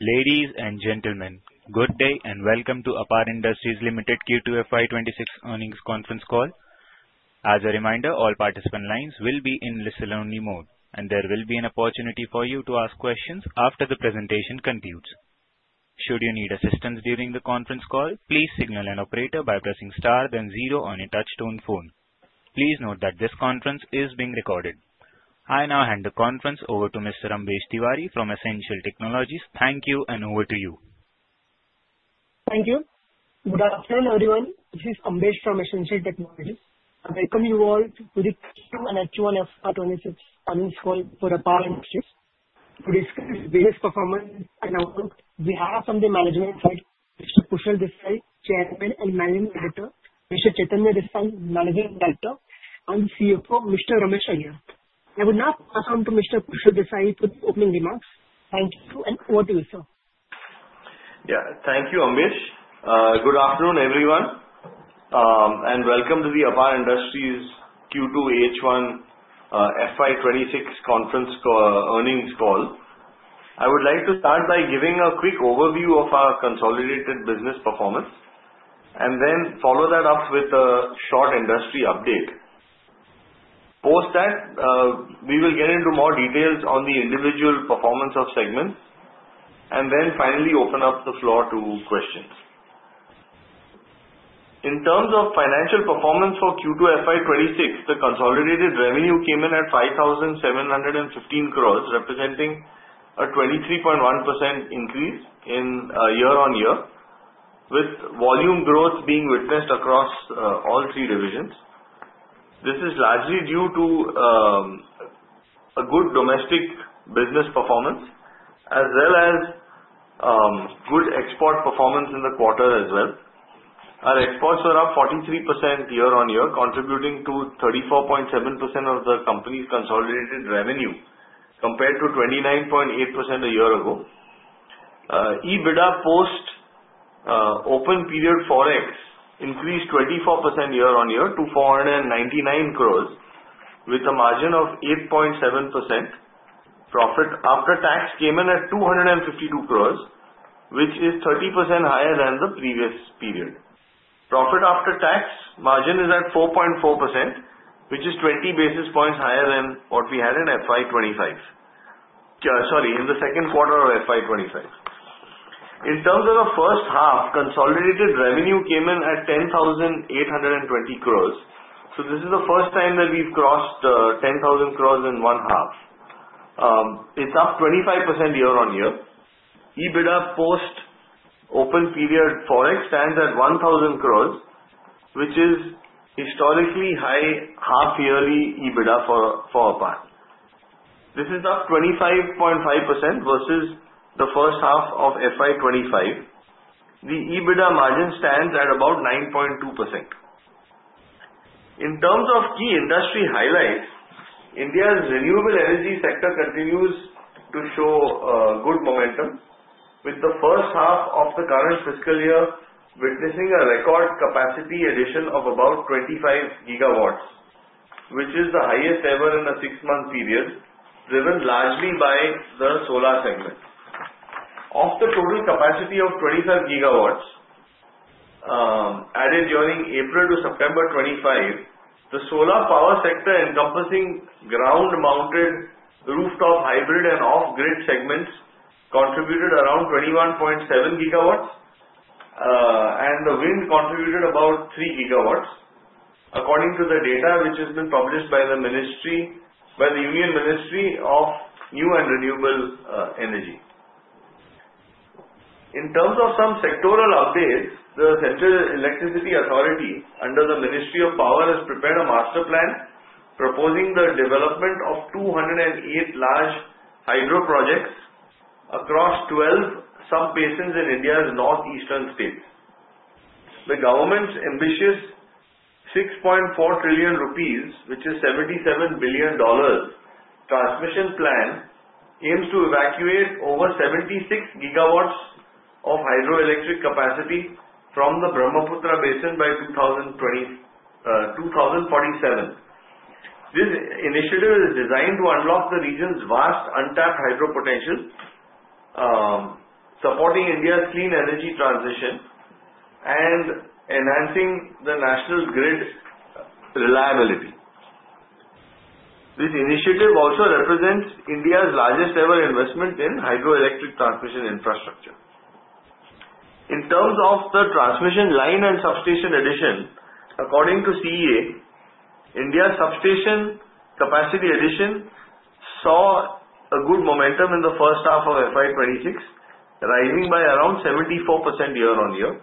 Ladies and gentlemen, good day and welcome to APAR Industries Ltd. Q2 FY26 Earnings Conference Call. As a reminder, all participant lines will be in listen-only mode, and there will be an opportunity for you to ask questions after the presentation concludes. Should you need assistance during the conference call, please signal an operator by pressing star, then zero on your touch-tone phone. Please note that this conference is being recorded. I now hand the conference over to Mr. Ambesh Tiwari from S-Ancial Technologies. Thank you, and over to you. Thank you. Good afternoon, everyone. This is Ambesh from S-Ancial Technologies. I welcome you all to the Q2 and Q1 FY26 Earnings Call for APAR Industries. To discuss various performance and outlook, we have from the management side, Mr. Kushal Desai, Chairman and Managing Director, Mr. Chaitanya Desai, Managing Director, and CFO, Mr. Ramesh Iyer. I would now pass on to Mr. Kushal Desai for the opening remarks. Thank you, and over to you, sir. Yeah, thank you, Ambesh. Good afternoon, everyone, and welcome to the APAR Industries Q2 H1 FY26 conference earnings call. I would like to start by giving a quick overview of our consolidated business performance, and then follow that up with a short industry update. Post that, we will get into more details on the individual performance of segments, and then finally open up the floor to questions. In terms of financial performance for Q2 FY26, the consolidated revenue came in at 5,715 crores, representing a 23.1% increase year-on-year, with volume growth being witnessed across all three divisions. This is largely due to good domestic business performance, as well as good export performance in the quarter as well. Our exports were up 43% year-on-year, contributing to 34.7% of the company's consolidated revenue, compared to 29.8% a year ago. EBITDA post-open period Forex increased 24% year-on-year to 499 crores, with a margin of 8.7%. Profit after tax came in at 252 crores, which is 30% higher than the previous period. Profit after tax margin is at 4.4%, which is 20 basis points higher than what we had in FY25, sorry, in the second quarter of FY25. In terms of the first half, consolidated revenue came in at 10,820 crores. So this is the first time that we've crossed 10,000 crores in one half. It's up 25% year-on-year. EBITDA post-open period Forex stands at 1,000 crores, which is historically high half-yearly EBITDA for APAR. This is up 25.5% versus the first half of FY25. The EBITDA margin stands at about 9.2%. In terms of key industry highlights, India's renewable energy sector continues to show good momentum, with the first half of the current fiscal year witnessing a record capacity addition of about 25 gigawatts, which is the highest ever in a six-month period, driven largely by the solar segment. Of the total capacity of 25 gigawatts added during April to September 25, the solar power sector, encompassing ground-mounted, rooftop, hybrid, and off-grid segments, contributed around 21.7 gigawatts, and the wind contributed about three gigawatts, according to the data which has been published by the Union Ministry of New and Renewable Energy. In terms of some sectoral updates, the Central Electricity Authority under the Ministry of Power has prepared a master plan proposing the development of 208 large hydro projects across 12 sub-basins in India's northeastern states. The government's ambitious 6.4 trillion rupees, which is $77 billion, transmission plan aims to evacuate over 76 gigawatts of hydroelectric capacity from the Brahmaputra Basin by 2047. This initiative is designed to unlock the region's vast untapped hydro potential, supporting India's clean energy transition and enhancing the national grid reliability. This initiative also represents India's largest ever investment in hydroelectric transmission infrastructure. In terms of the transmission line and substation addition, according to CEA, India's substation capacity addition saw a good momentum in the first half of FY26, rising by around 74% year-on-year.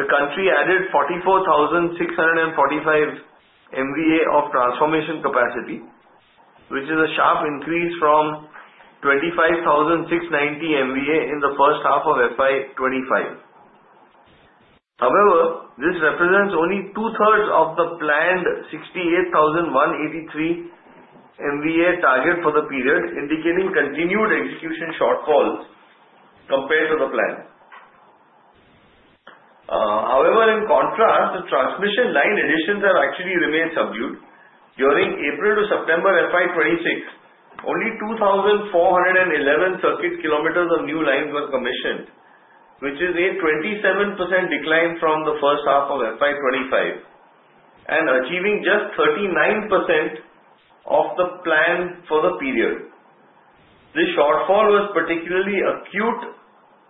The country added 44,645 MVA of transformation capacity, which is a sharp increase from 25,690 MVA in the first half of FY25. However, this represents only two-thirds of the planned 68,183 MVA target for the period, indicating continued execution shortfalls compared to the plan. However, in contrast, the transmission line additions have actually remained subdued. During April to September FY26, only 2,411 circuit kilometers of new lines were commissioned, which is a 27% decline from the first half of FY25, and achieving just 39% of the plan for the period. This shortfall was particularly acute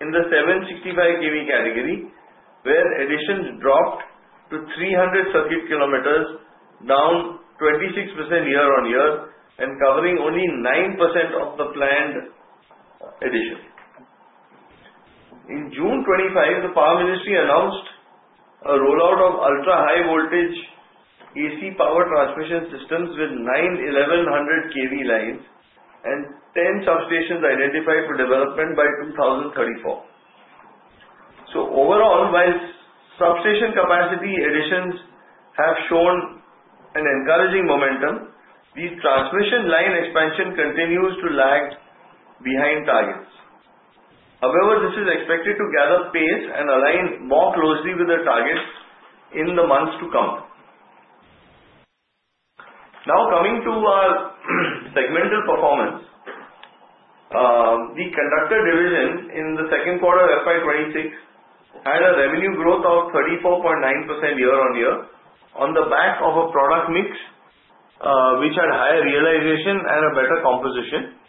in the 765 kV category, where additions dropped to 300 circuit kilometers, down 26% year-on-year and covering only 9% of the planned addition. In June 2025, the Ministry of Power announced a rollout of ultra-high voltage AC power transmission systems with 765 kV and 1,100 kV lines and 10 substations identified for development by 2034. Overall, while substation capacity additions have shown an encouraging momentum, the transmission line expansion continues to lag behind targets. However, this is expected to gather pace and align more closely with the targets in the months to come. Now coming to our segmental performance, the conductor division in the second quarter of FY26 had a revenue growth of 34.9% year-on-year on the back of a product mix which had higher realization and a better composition.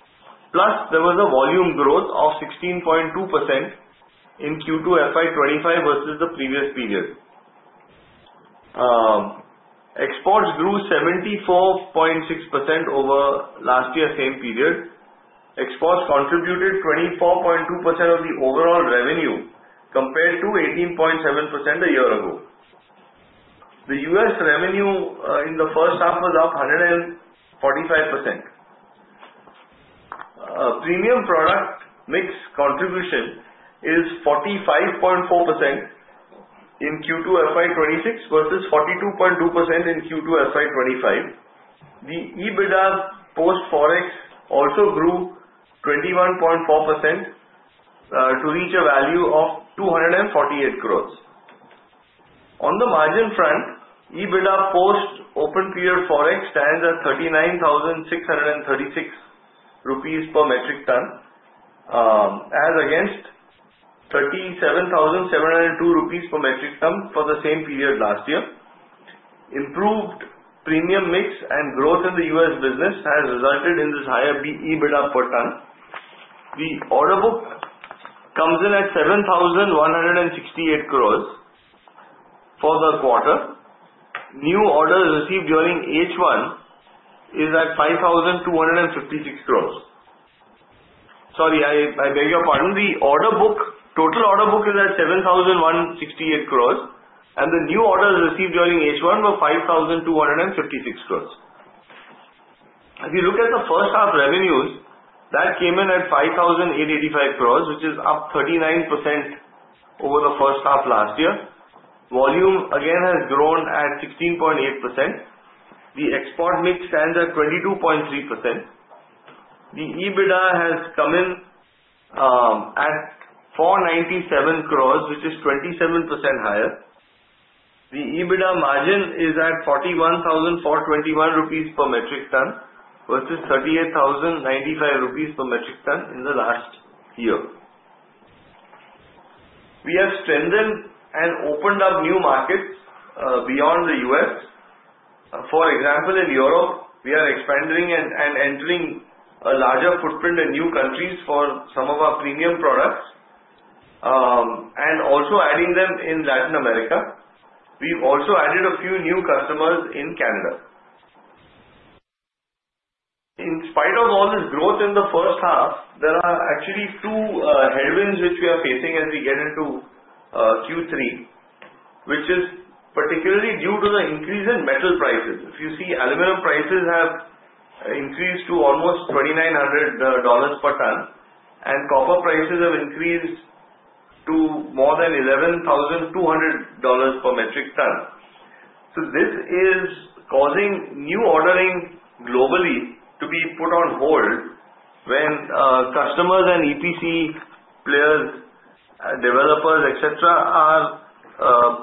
Plus, there was a volume growth of 16.2% in Q2 FY25 versus the previous period. Exports grew 74.6% over last year's same period. Exports contributed 24.2% of the overall revenue compared to 18.7% a year ago. The US revenue in the first half was up 145%. Premium product mix contribution is 45.4% in Q2 FY26 versus 42.2% in Q2 FY25. The EBITDA post-open period Forex also grew 21.4% to reach a value of 248 crores. On the margin front, EBITDA post-open period Forex stands at 39,636 rupees per metric ton, as against 37,702 rupees per metric ton for the same period last year. Improved premium mix and growth in the U.S. business has resulted in this higher EBITDA per ton. The order book comes in at 7,168 crores for the quarter. New orders received during H1 is at 5,256 crores. Sorry, I beg your pardon. The total order book is at 7,168 crores, and the new orders received during H1 were 5,256 crores. If you look at the first half revenues, that came in at 5,885 crores, which is up 39% over the first half last year. Volume, again, has grown at 16.8%. The export mix stands at 22.3%. The EBITDA has come in at 497 crores, which is 27% higher. The EBITDA margin is at 41,421 rupees per metric ton versus 38,095 rupees per metric ton in the last year. We have strengthened and opened up new markets beyond the U.S. For example, in Europe, we are expanding and entering a larger footprint in new countries for some of our premium products and also adding them in Latin America. We've also added a few new customers in Canada. In spite of all this growth in the first half, there are actually two headwinds which we are facing as we get into Q3, which is particularly due to the increase in metal prices. If you see, aluminum prices have increased to almost $2,900 per ton, and copper prices have increased to more than $11,200 per metric ton. So this is causing new ordering globally to be put on hold when customers and EPC players, developers, etc., are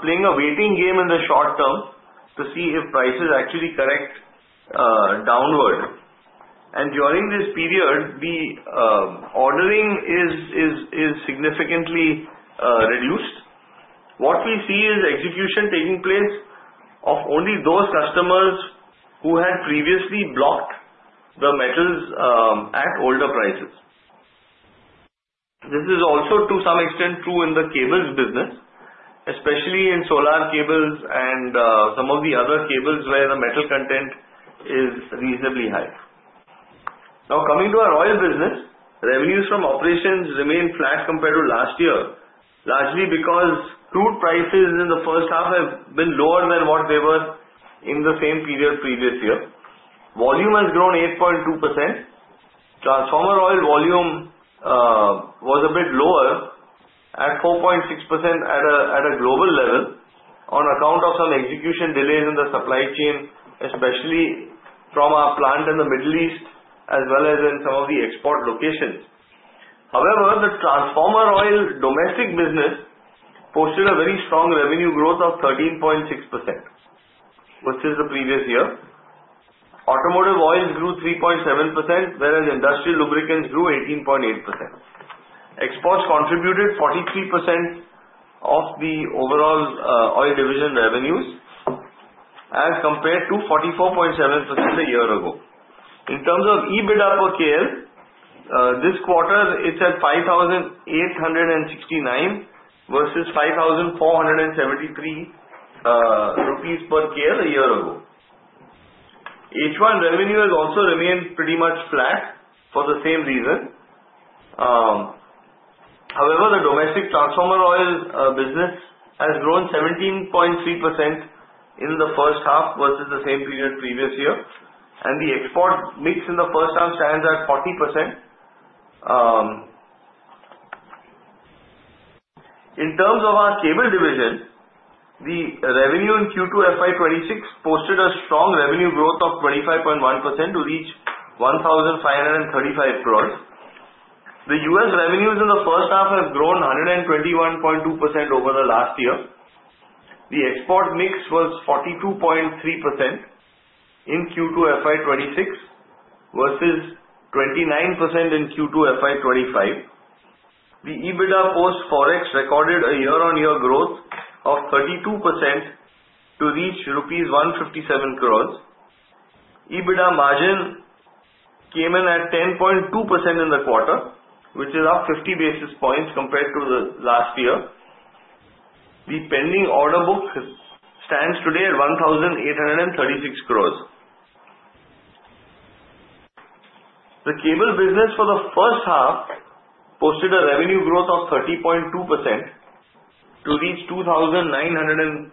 playing a waiting game in the short term to see if prices actually correct downward. And during this period, the ordering is significantly reduced. What we see is execution taking place of only those customers who had previously blocked the metals at older prices. This is also, to some extent, true in the cables business, especially in solar cables and some of the other cables where the metal content is reasonably high. Now coming to our oil business, revenues from operations remain flat compared to last year, largely because crude prices in the first half have been lower than what they were in the same period previous year. Volume has grown 8.2%. Transformer oil volume was a bit lower at 4.6% at a global level on account of some execution delays in the supply chain, especially from our plant in the Middle East as well as in some of the export locations. However, the transformer oil domestic business posted a very strong revenue growth of 13.6% versus the previous year. Automotive oils grew 3.7%, whereas industrial lubricants grew 18.8%. Exports contributed 43% of the overall oil division revenues as compared to 44.7% a year ago. In terms of EBITDA per KL, this quarter it's at 5,869 versus 5,473 rupees per KL a year ago. H1 revenue has also remained pretty much flat for the same reason. However, the domestic transformer oil business has grown 17.3% in the first half versus the same period previous year, and the export mix in the first half stands at 40%. In terms of our cables division, the revenue in Q2 FY26 posted a strong revenue growth of 25.1% to reach 1,535 crores. The U.S. revenues in the first half have grown 121.2% over the last year. The export mix was 42.3% in Q2 FY26 versus 29% in Q2 FY25. The EBITDA post-Forex recorded a year-on-year growth of 32% to reach rupees 157 crores. EBITDA margin came in at 10.2% in the quarter, which is up 50 basis points compared to the last year. The pending order book stands today at 1,836 crores. The cables business for the first half posted a revenue growth of 30.2% to reach 2,954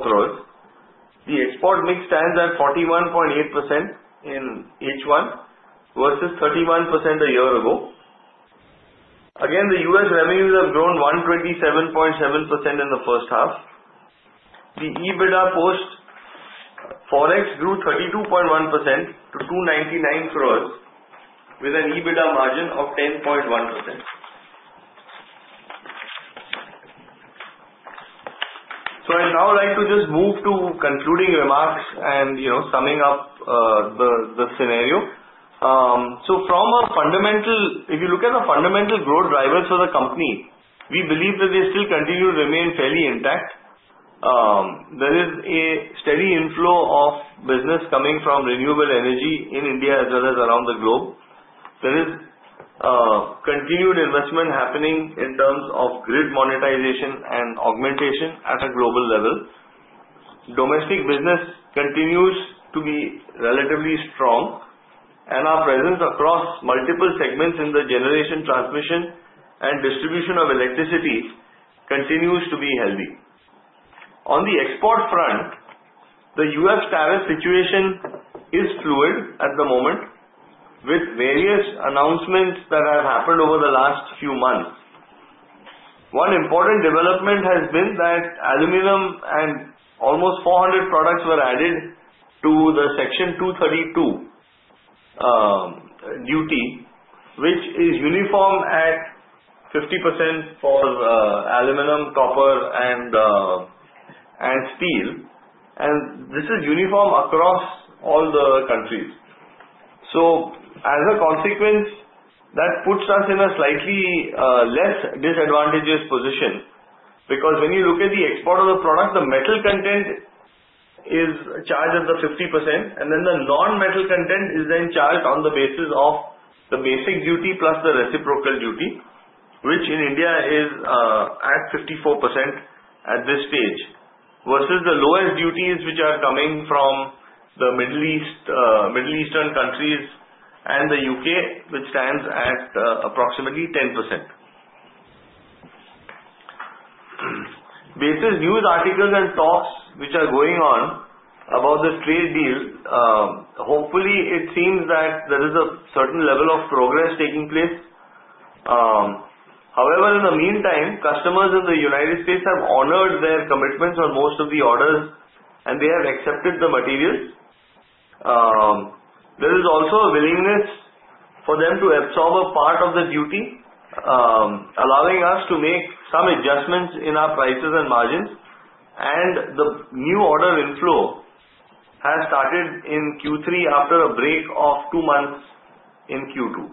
crores. The export mix stands at 41.8% in H1 versus 31% a year ago. Again, the U.S. revenues have grown 127.7% in the first half. The EBITDA post-Forex grew 32.1% to 299 crores with an EBITDA margin of 10.1%. So I'd now like to just move to concluding remarks and summing up the scenario. So from a fundamental, if you look at the fundamental growth drivers for the company, we believe that they still continue to remain fairly intact. There is a steady inflow of business coming from renewable energy in India as well as around the globe. There is continued investment happening in terms of grid monetization and augmentation at a global level. Domestic business continues to be relatively strong, and our presence across multiple segments in the generation, transmission, and distribution of electricity continues to be healthy. On the export front, the U.S. tariff situation is fluid at the moment with various announcements that have happened over the last few months. One important development has been that aluminum and almost 400 products were added to the Section 232 duty, which is uniform at 50% for aluminum, copper, and steel, and this is uniform across all the countries. As a consequence, that puts us in a slightly less disadvantageous position because when you look at the export of the product, the metal content is charged at the 50%, and then the non-metal content is then charged on the basis of the basic duty plus the reciprocal duty, which in India is at 54% at this stage versus the lowest duties which are coming from the Middle Eastern countries and the U.K., which stands at approximately 10%. Based on news articles and talks which are going on about the trade deal, hopefully it seems that there is a certain level of progress taking place. However, in the meantime, customers in the United States have honored their commitments on most of the orders, and they have accepted the materials. There is also a willingness for them to absorb a part of the duty, allowing us to make some adjustments in our prices and margins. And the new order inflow has started in Q3 after a break of two months in Q2.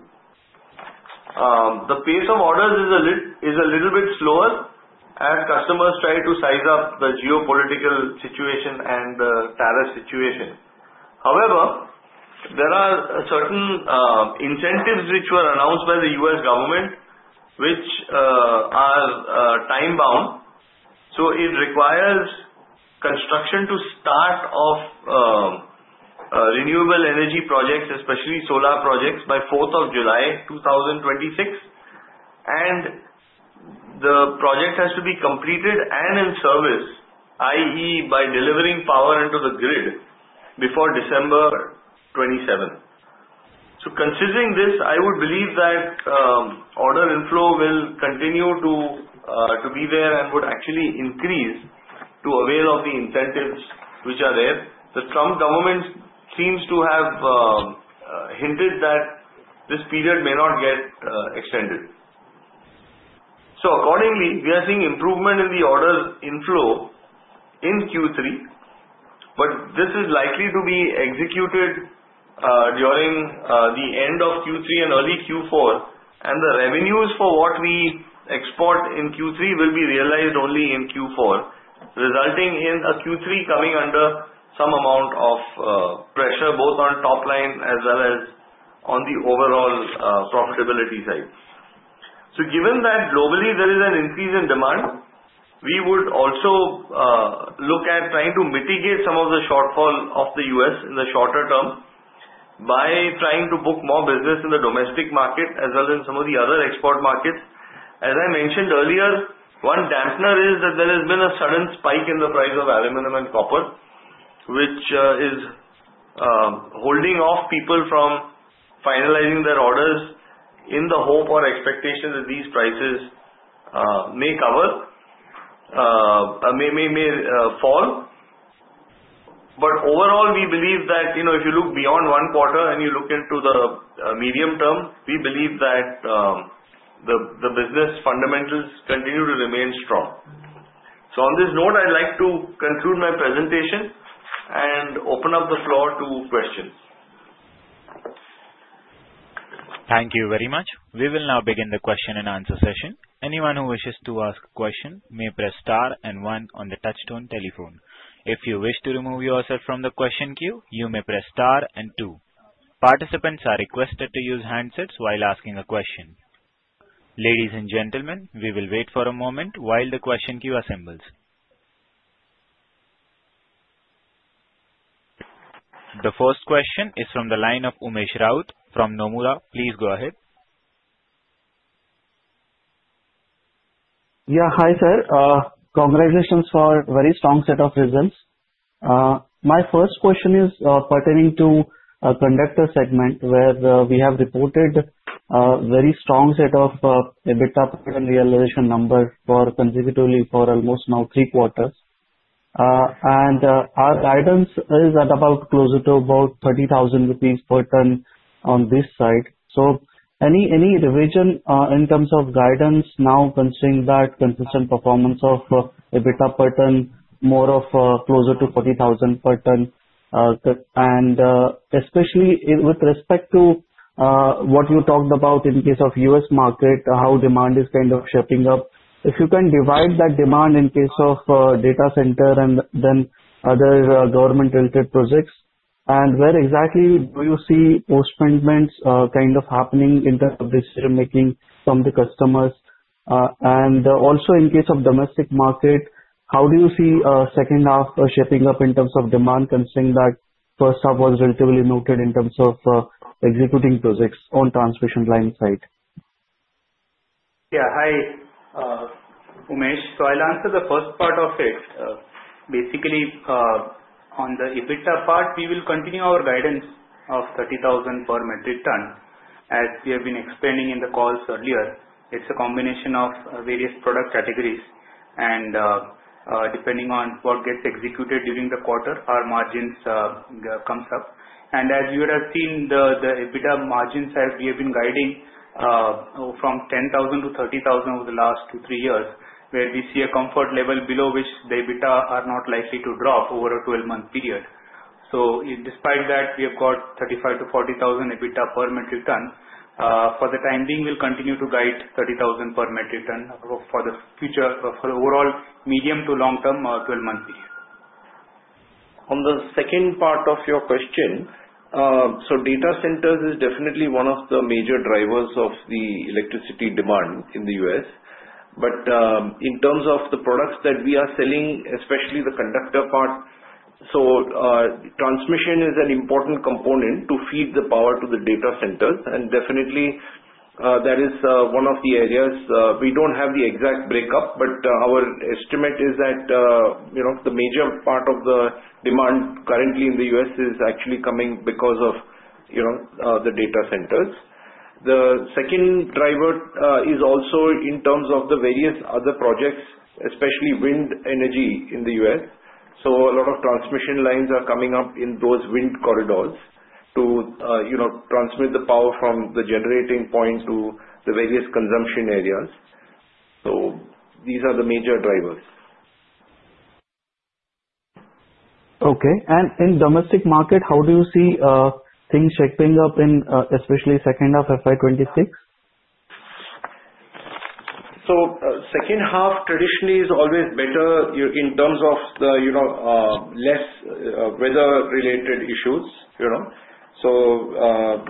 The pace of orders is a little bit slower as customers try to size up the geopolitical situation and the tariff situation. However, there are certain incentives which were announced by the U.S. government, which are time-bound. So it requires construction to start of renewable energy projects, especially solar projects, by 4th of July 2026. And the project has to be completed and in service, i.e., by delivering power into the grid before December 27. So considering this, I would believe that order inflow will continue to be there and would actually increase to avail of the incentives which are there. The Trump government seems to have hinted that this period may not get extended, so accordingly, we are seeing improvement in the order inflow in Q3, but this is likely to be executed during the end of Q3 and early Q4, and the revenues for what we export in Q3 will be realized only in Q4, resulting in Q3 coming under some amount of pressure both on top line as well as on the overall profitability side, so given that globally there is an increase in demand, we would also look at trying to mitigate some of the shortfall of the U.S. in the shorter term by trying to book more business in the domestic market as well as in some of the other export markets. As I mentioned earlier, one dampener is that there has been a sudden spike in the price of aluminum and copper, which is holding off people from finalizing their orders in the hope or expectation that these prices may fall. But overall, we believe that if you look beyond one quarter and you look into the medium term, we believe that the business fundamentals continue to remain strong. So on this note, I'd like to conclude my presentation and open up the floor to questions. Thank you very much. We will now begin the question and answer session. Anyone who wishes to ask a question may press star and one on the touch-tone telephone. If you wish to remove yourself from the question queue, you may press star and two. Participants are requested to use handsets while asking a question. Ladies and gentlemen, we will wait for a moment while the question queue assembles. The first question is from the line of Umesh Raut from Nomura. Please go ahead. Yeah, hi sir. Congratulations for a very strong set of results. My first question is pertaining to a conductor segment where we have reported a very strong set of EBITDA per ton realization numbers consecutively for almost now three quarters. And our guidance is at about closer to about 30,000 rupees per ton on this side. So any revision in terms of guidance now considering that consistent performance of EBITDA per ton, more of closer to 40,000 per ton, and especially with respect to what you talked about in case of U.S. market, how demand is kind of shaping up. If you can divide that demand in case of data center and then other government-related projects, and where exactly do you see post-commitments kind of happening in terms of decision-making from the customers? And also in case of domestic market, how do you see second half shaping up in terms of demand considering that first half was relatively soft in terms of executing projects on transmission line side? Yeah, hi, Umesh. So I'll answer the first part of it. Basically, on the EBITDA part, we will continue our guidance of 30,000 per metric ton. As we have been explaining in the calls earlier, it's a combination of various product categories. And depending on what gets executed during the quarter, our margins come up. As you would have seen, the EBITDA margins have been guiding from 10,000-30,000 over the last two, three years, where we see a comfort level below which the EBITDA are not likely to drop over a 12-month period. So despite that, we have got 35,000-40,000 EBITDA per metric ton. For the time being, we'll continue to guide 30,000 per metric ton for the future, for the overall medium to long-term 12-month period. On the second part of your question, so data centers is definitely one of the major drivers of the electricity demand in the U.S. But in terms of the products that we are selling, especially the conductor part, so transmission is an important component to feed the power to the data centers. Definitely, that is one of the areas we don't have the exact breakup, but our estimate is that the major part of the demand currently in the U.S. is actually coming because of the data centers. The second driver is also in terms of the various other projects, especially wind energy in the U.S. So a lot of transmission lines are coming up in those wind corridors to transmit the power from the generating point to the various consumption areas. So these are the major drivers. Okay. In domestic market, how do you see things shaping up in especially second half FY26? Second half traditionally is always better in terms of less weather-related issues. So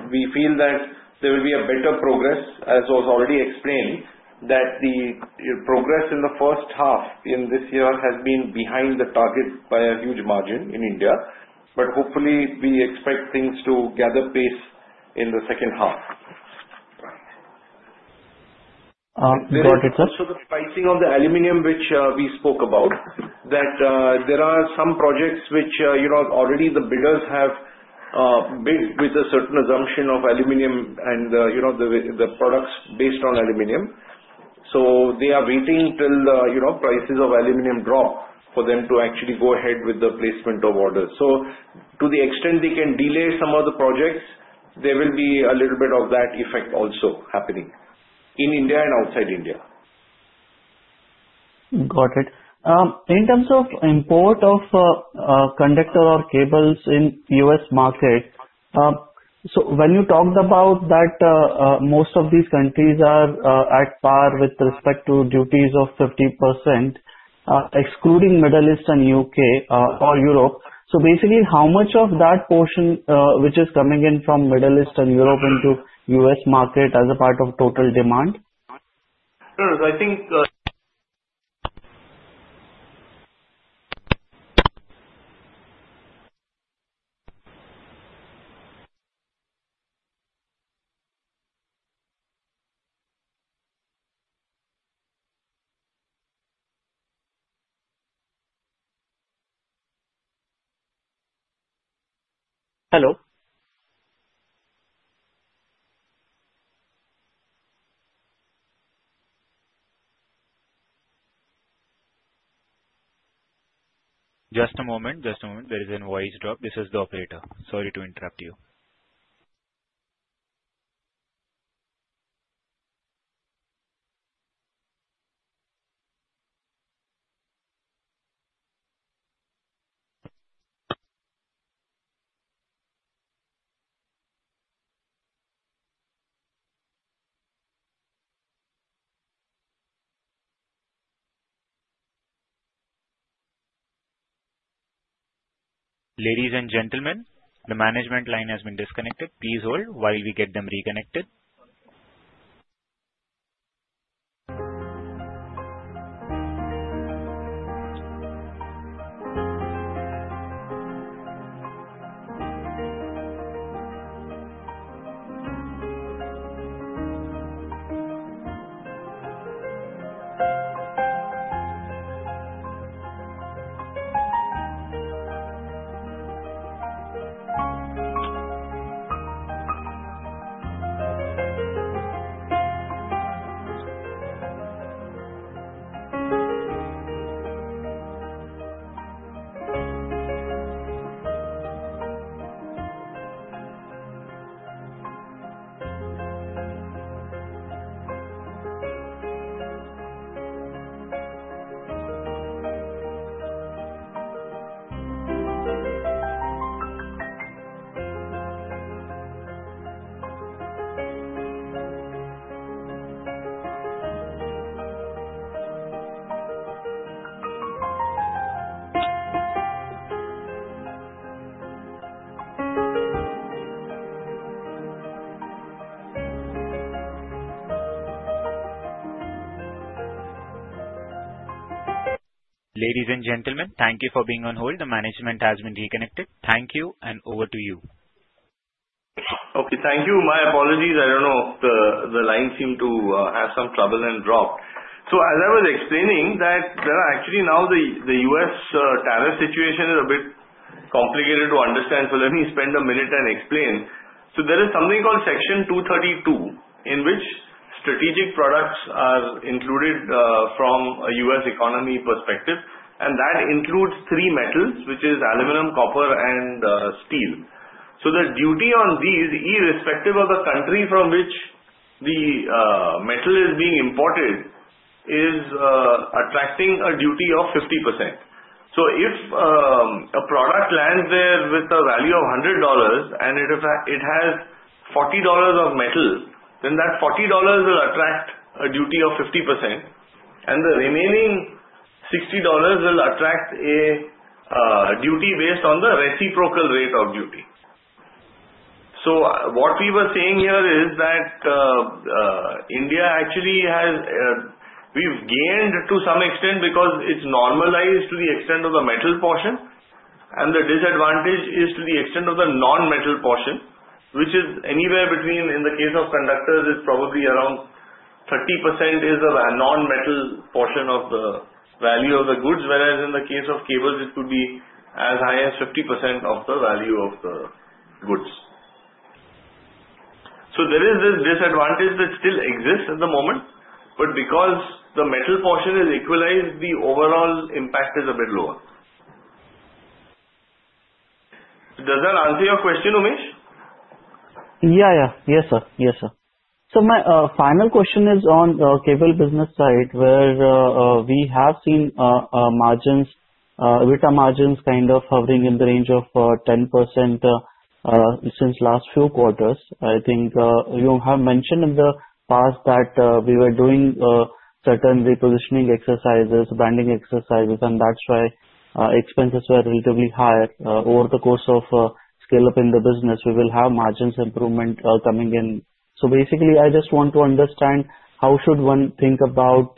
we feel that there will be a better progress, as was already explained, that the progress in the first half in this year has been behind the target by a huge margin in India. But hopefully, we expect things to gather pace in the second half. Got it, sir. So the pricing of the aluminum, which we spoke about, that there are some projects which already the bidders have bid with a certain assumption of aluminum and the products based on aluminum. So they are waiting till the prices of aluminum drop for them to actually go ahead with the placement of orders. So to the extent they can delay some of the projects, there will be a little bit of that effect also happening in India and outside India. Got it. In terms of import of conductor or cables in U.S. market, so when you talked about that most of these countries are at par with respect to duties of 50%, excluding Middle East and U.K. or Europe. So basically, how much of that portion which is coming in from Middle East and Europe into U.S. market as a part of total demand? Sure. So I think. Hello? Just a moment. Just a moment. There is a noise drop. This is the operator. Sorry to interrupt you. Ladies and gentlemen, the management line has been disconnected. Please hold while we get them reconnected. Ladies and gentlemen, thank you for being on hold. The management has been reconnected. Thank you and over to you. Okay. Thank you. My apologies. I don't know. The line seemed to have some trouble and dropped. As I was explaining, there are actually now the U.S. tariff situation is a bit complicated to understand. Let me spend a minute and explain. There is something called Section 232 in which strategic products are included from a U.S. economy perspective. That includes three metals, which are aluminum, copper, and steel. The duty on these, irrespective of the country from which the metal is being imported, is attracting a duty of 50%. If a product lands there with a value of $100 and it has $40 of metal, then that $40 will attract a duty of 50%. The remaining $60 will attract a duty based on the reciprocal rate of duty. What we were saying here is that India actually has. We've gained to some extent because it's normalized to the extent of the metal portion. And the disadvantage is to the extent of the non-metal portion, which is anywhere between, in the case of conductors, it's probably around 30% is the non-metal portion of the value of the goods, whereas in the case of cables, it could be as high as 50% of the value of the goods. So there is this disadvantage that still exists at the moment. But because the metal portion is equalized, the overall impact is a bit lower. Does that answer your question, Umesh? Yeah. Yes, sir. So my final question is on cables business side, where we have seen margins, EBITDA margins kind of hovering in the range of 10% since last few quarters. I think you have mentioned in the past that we were doing certain repositioning exercises, branding exercises, and that's why expenses were relatively higher. Over the course of scale-up in the business, we will have margins improvement coming in. So basically, I just want to understand how should one think about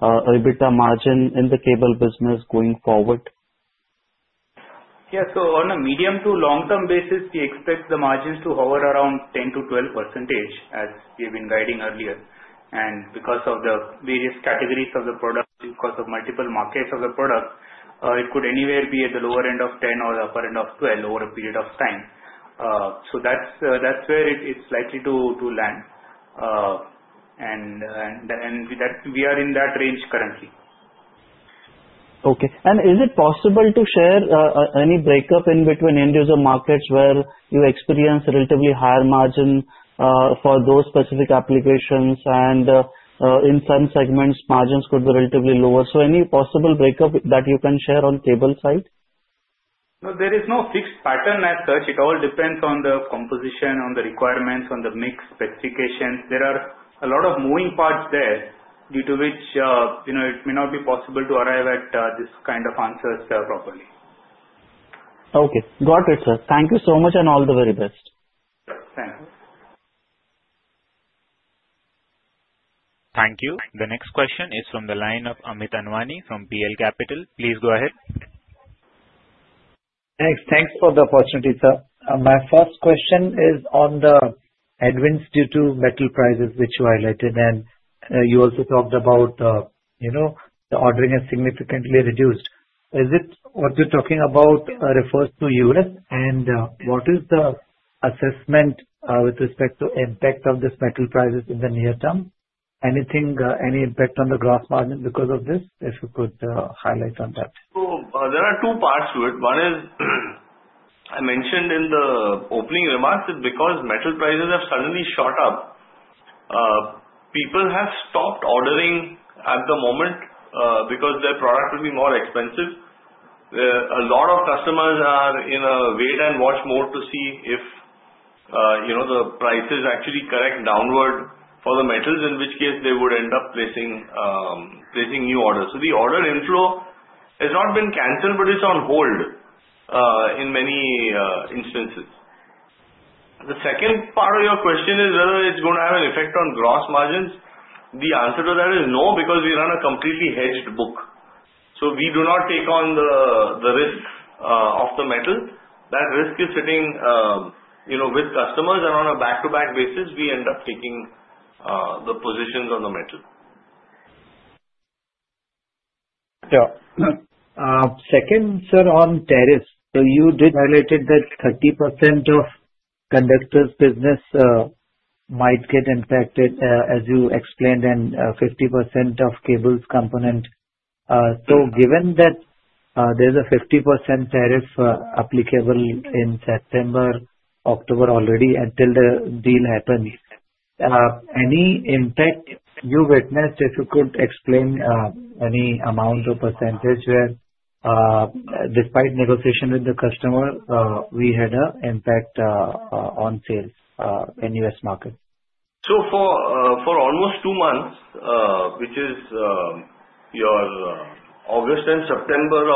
EBITDA margin in the cables business going forward? Yeah. So on a medium to long-term basis, we expect the margins to hover around 10%-12%, as we have been guiding earlier. And because of the various categories of the product, because of multiple markets of the product, it could anywhere be at the lower end of 10% or the upper end of 12% over a period of time. So that's where it's likely to land. And we are in that range currently. Okay. And is it possible to share any breakup in between end-user markets where you experience relatively higher margin for those specific applications? And in some segments, margins could be relatively lower. So any possible breakup that you can share on cables side? No, there is no fixed pattern as such. It all depends on the composition, on the requirements, on the mixed specifications. There are a lot of moving parts there due to which it may not be possible to arrive at this kind of answers properly. Okay. Got it, sir. Thank you so much and all the very best. Thank you. Thank you. The next question is from the line of Amit Anwani from PL Capital. Please go ahead. Thanks for the opportunity, sir. My first question is on the advance due to metal prices, which you highlighted. And you also talked about the ordering is significantly reduced. Is it what you're talking about refers to U.S.? And what is the assessment with respect to impact of this metal prices in the near term? Anything, any impact on the gross margin because of this? If you could highlight on that. So there are two parts to it. One is I mentioned in the opening remarks that because metal prices have suddenly shot up, people have stopped ordering at the moment because their product will be more expensive. A lot of customers are in a wait-and-watch mode to see if the prices actually correct downward for the metals, in which case they would end up placing new orders. So the order inflow has not been canceled, but it's on hold in many instances. The second part of your question is whether it's going to have an effect on gross margins. The answer to that is no because we run a completely hedged book. So we do not take on the risk of the metal. That risk is sitting with customers, and on a back-to-back basis, we end up taking the positions on the metal. Yeah. Second, sir, on tariffs. So you did highlight that 30% of conductors' business might get impacted, as you explained, and 50% of cables component. So given that there's a 50% tariff applicables in September, October already until the deal happens, any impact you witnessed, if you could explain any amount or percentage where, despite negotiation with the customer, we had an impact on sales in U.S. markets? So for almost two months, which is your August and September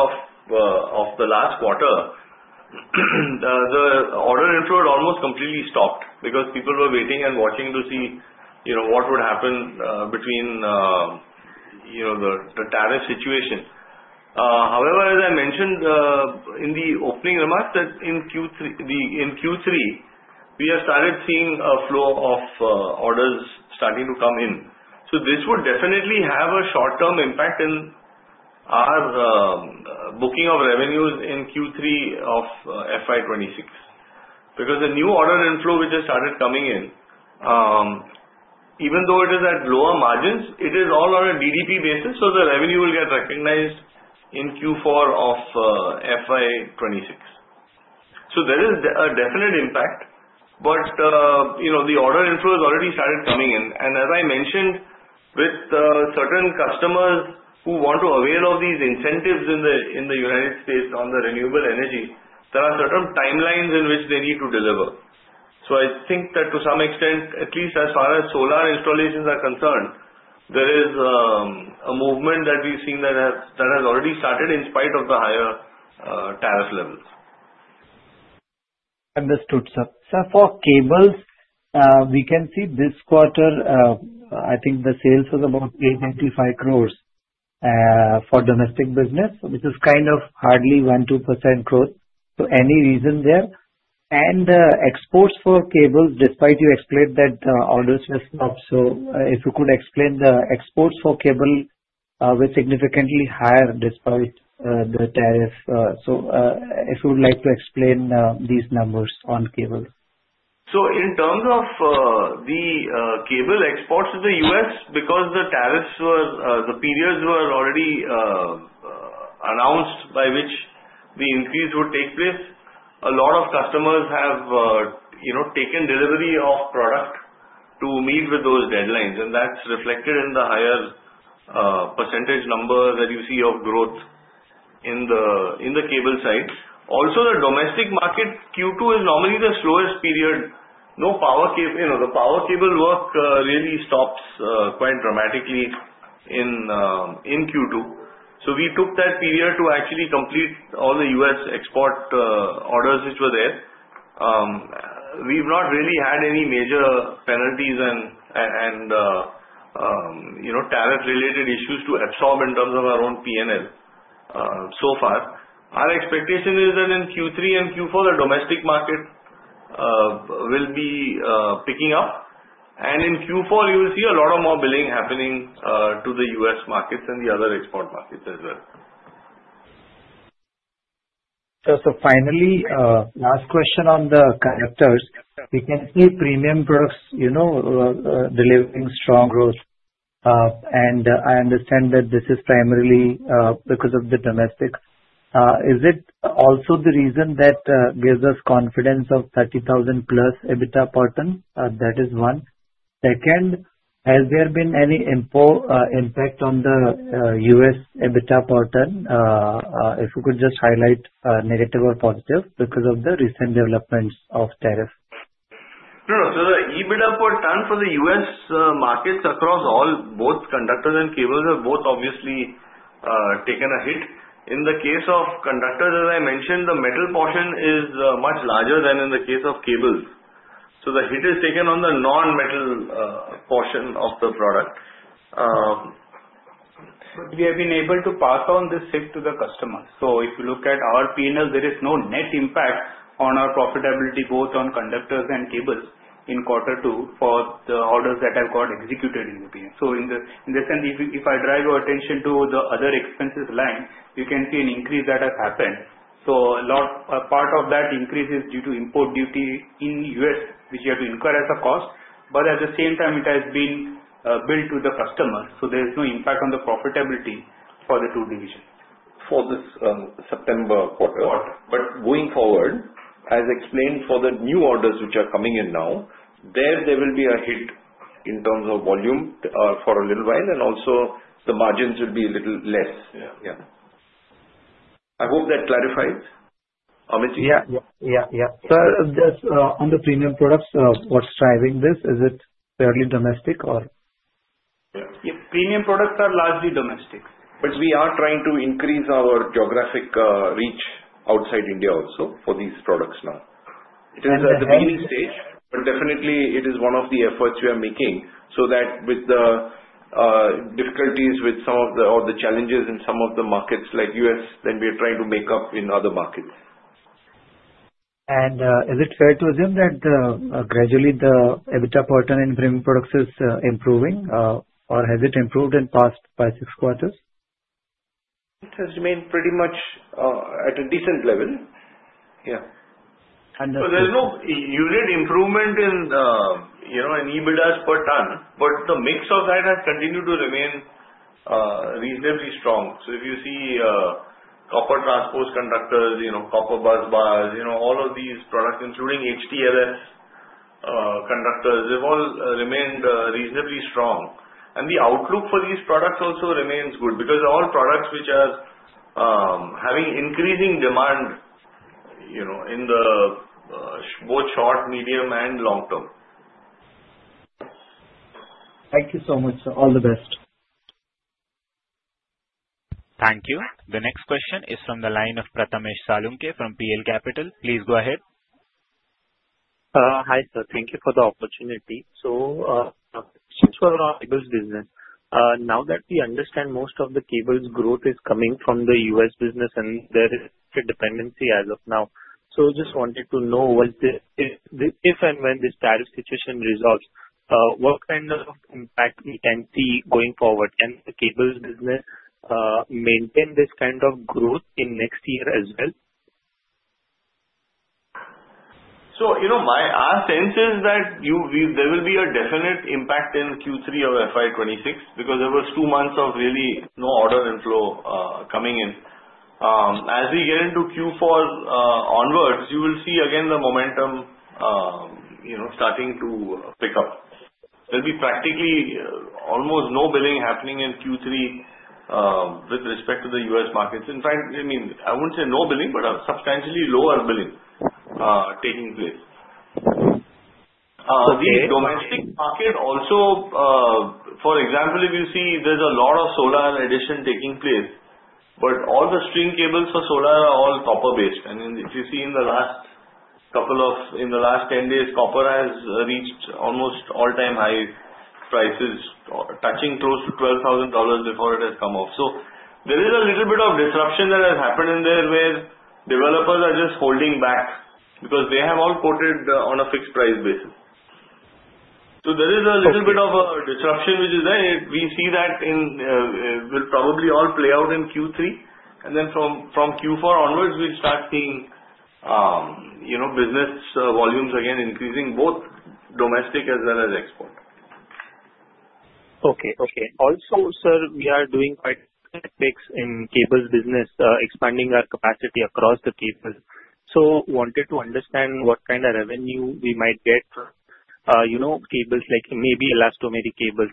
of the last quarter, the order inflow had almost completely stopped because people were waiting and watching to see what would happen between the tariff situation. However, as I mentioned in the opening remarks that in Q3, we have started seeing a flow of orders starting to come in. So this would definitely have a short-term impact in our booking of revenues in Q3 of FY26 because the new order inflow which has started coming in, even though it is at lower margins, it is all on a DDP basis. So the revenue will get recognized in Q4 of FY26. So there is a definite impact, but the order inflow has already started coming in. And as I mentioned, with certain customers who want to avail of these incentives in the United States on the renewable energy, there are certain timelines in which they need to deliver. So I think that to some extent, at least as far as solar installations are concerned, there is a movement that we've seen that has already started in spite of the higher tariff levels. Understood, sir. For cables, we can see this quarter. I think the sales was about 85 crores for domestic business, which is kind of hardly 1-2% growth. Any reason there? Exports for cables, despite you explained that the orders just dropped. If you could explain the exports for cables were significantly higher despite the tariff. If you would like to explain these numbers on cables. In terms of the cables exports to the U.S., because the tariffs were the periods were already announced by which the increase would take place, a lot of customers have taken delivery of product to meet with those deadlines. That's reflected in the higher percentage number that you see of growth in the cables side. Also, the domestic market Q2 is normally the slowest period. The power cables work really stops quite dramatically in Q2. So we took that period to actually complete all the U.S. export orders which were there. We've not really had any major penalties and tariff-related issues to absorb in terms of our own P&L so far. Our expectation is that in Q3 and Q4, the domestic market will be picking up. And in Q4, you will see a lot of more billing happening to the U.S. markets and the other export markets as well. So finally, last question on the conductors. We can see premium products delivering strong growth. And I understand that this is primarily because of the domestic. Is it also the reason that gives us confidence of 30,000 plus EBITDA pattern? That is one. Second, has there been any impact on the U.S. EBITDA pattern? If you could just highlight negative or positive because of the recent developments of tariff. No. So the EBITDA pattern for the U.S. markets across both conductors and cables have both obviously taken a hit. In the case of conductors, as I mentioned, the metal portion is much larger than in the case of cables. So the hit is taken on the non-metal portion of the product. But we have been able to pass on this hit to the customers. So if you look at our P&L, there is no net impact on our profitability both on conductors and cables in quarter two for the orders that have got executed in the P&L. So in this sense, if I drive your attention to the other expenses line, you can see an increase that has happened. So a part of that increase is due to import duty in the U.S., which you have to incur as a cost. But at the same time, it has been billed to the customers. So there is no impact on the profitability for the two divisions for this September quarter. But going forward, as explained for the new orders which are coming in now, there will be a hit in terms of volume for a little while. And also, the margins will be a little less. Yeah. I hope that clarifies. Amitoj Singh? Yeah. Sir, just on the premium products, what's driving this? Is it purely domestic or? Yeah. Premium products are largely domestic. But we are trying to increase our geographic reach outside India also for these products now. It is at the beginning stage, but definitely, it is one of the efforts we are making so that with the difficulties, with some of the or the challenges in some of the markets like U.S. then we are trying to make up in other markets. Is it fair to assume that gradually the EBITDA pattern in premium products is improving? Or has it improved in past five or six quarters? It has remained pretty much at a decent level. Yeah. So there's no unit improvement in EBITDAs per ton, but the mix of that has continued to remain reasonably strong. So if you see copper transposed conductors, copper bus bars, all of these products, including HTLS conductors, they've all remained reasonably strong. The outlook for these products also remains good because all products which are having increasing demand in both short, medium, and long term. Thank you so much, sir. All the best. Thank you. The next question is from the line of Prathmesh Salunkhe from PL Capital. Please go ahead. Hi, sir. Thank you for the opportunity. So since we're on cables business, now that we understand most of the cables's growth is coming from the US business and there is a dependency as of now, so I just wanted to know if and when this tariff situation resolves, what kind of impact we can see going forward? Can the cables business maintain this kind of growth in next year as well? So my sense is that there will be a definite impact in Q3 of FY26 because there were two months of really no order inflow coming in. As we get into Q4 onwards, you will see again the momentum starting to pick up. There'll be practically almost no billing happening in Q3 with respect to the U.S. markets. In fact, I mean, I wouldn't say no billing, but a substantially lower billing taking place. The domestic market also, for example, if you see there's a lot of solar addition taking place, but all the string cables for solar are all copper-based. And if you see in the last 10 days, copper has reached almost all-time high prices, touching close to $12,000 before it has come off. So there is a little bit of disruption that has happened in there where developers are just holding back because they have all quoted on a fixed price basis. So there is a little bit of a disruption, which is there. We see that will probably all play out in Q3. Then from Q4 onwards, we start seeing business volumes again increasing, both domestic as well as export. Okay. Also, sir, we are doing quite a mix in cables business, expanding our capacity across the cables. So wanted to understand what kind of revenue we might get from cables like maybe elastomeric cables.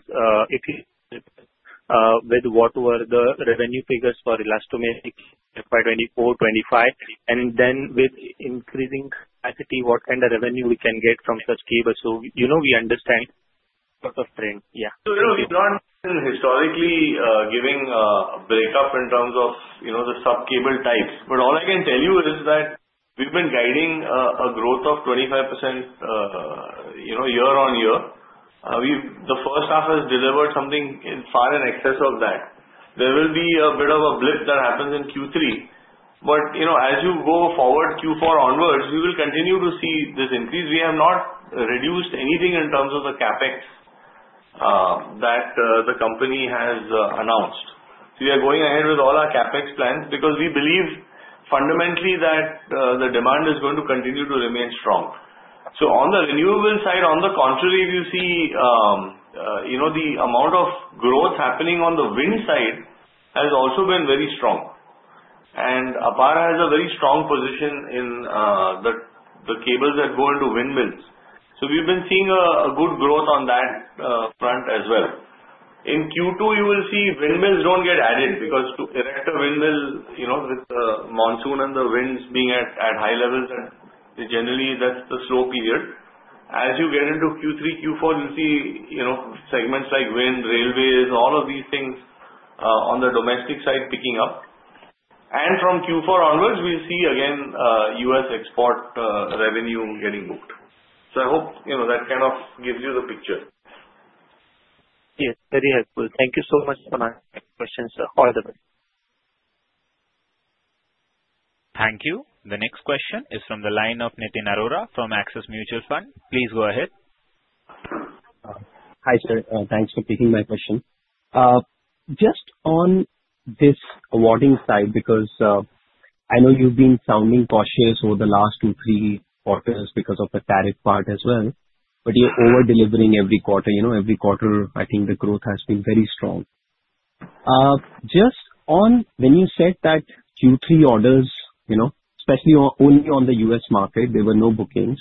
What were the revenue figures for elastomeric FY24, FY25? And then with increasing capacity, what kind of revenue we can get from such cables? So we understand sort of trend. Yeah. So we've been historically giving a breakup in terms of the sub-cables types. But all I can tell you is that we've been guiding a growth of 25% year on year. The first half has delivered something far in excess of that. There will be a bit of a blip that happens in Q3. But as you go forward Q4 onwards, we will continue to see this increase. We have not reduced anything in terms of the CapEx that the company has announced. We are going ahead with all our CapEx plans because we believe fundamentally that the demand is going to continue to remain strong. So on the renewable side, on the contrary, if you see the amount of growth happening on the wind side has also been very strong. And APAR has a very strong position in the cables that go into windmills. So we've been seeing a good growth on that front as well. In Q2, you will see windmills don't get added because to erect a windmill with the monsoon and the winds being at high levels, generally, that's the slow period. As you get into Q3, Q4, you'll see segments like wind, railways, all of these things on the domestic side picking up. And from Q4 onwards, we'll see again U.S. export revenue getting booked. So I hope that kind of gives you the picture. Yes, very helpful. Thank you so much for my questions, sir. All the best. Thank you. The next question is from the line of Nitin Arora from Axis Mutual Fund. Please go ahead. Hi, sir. Thanks for taking my question. Just on this awarding side, because I know you've been sounding cautious over the last two, three quarters because of the tariff part as well, but you're over-delivering every quarter. Every quarter, I think the growth has been very strong. Just on when you said that Q3 orders, especially only on the U.S. market, there were no bookings.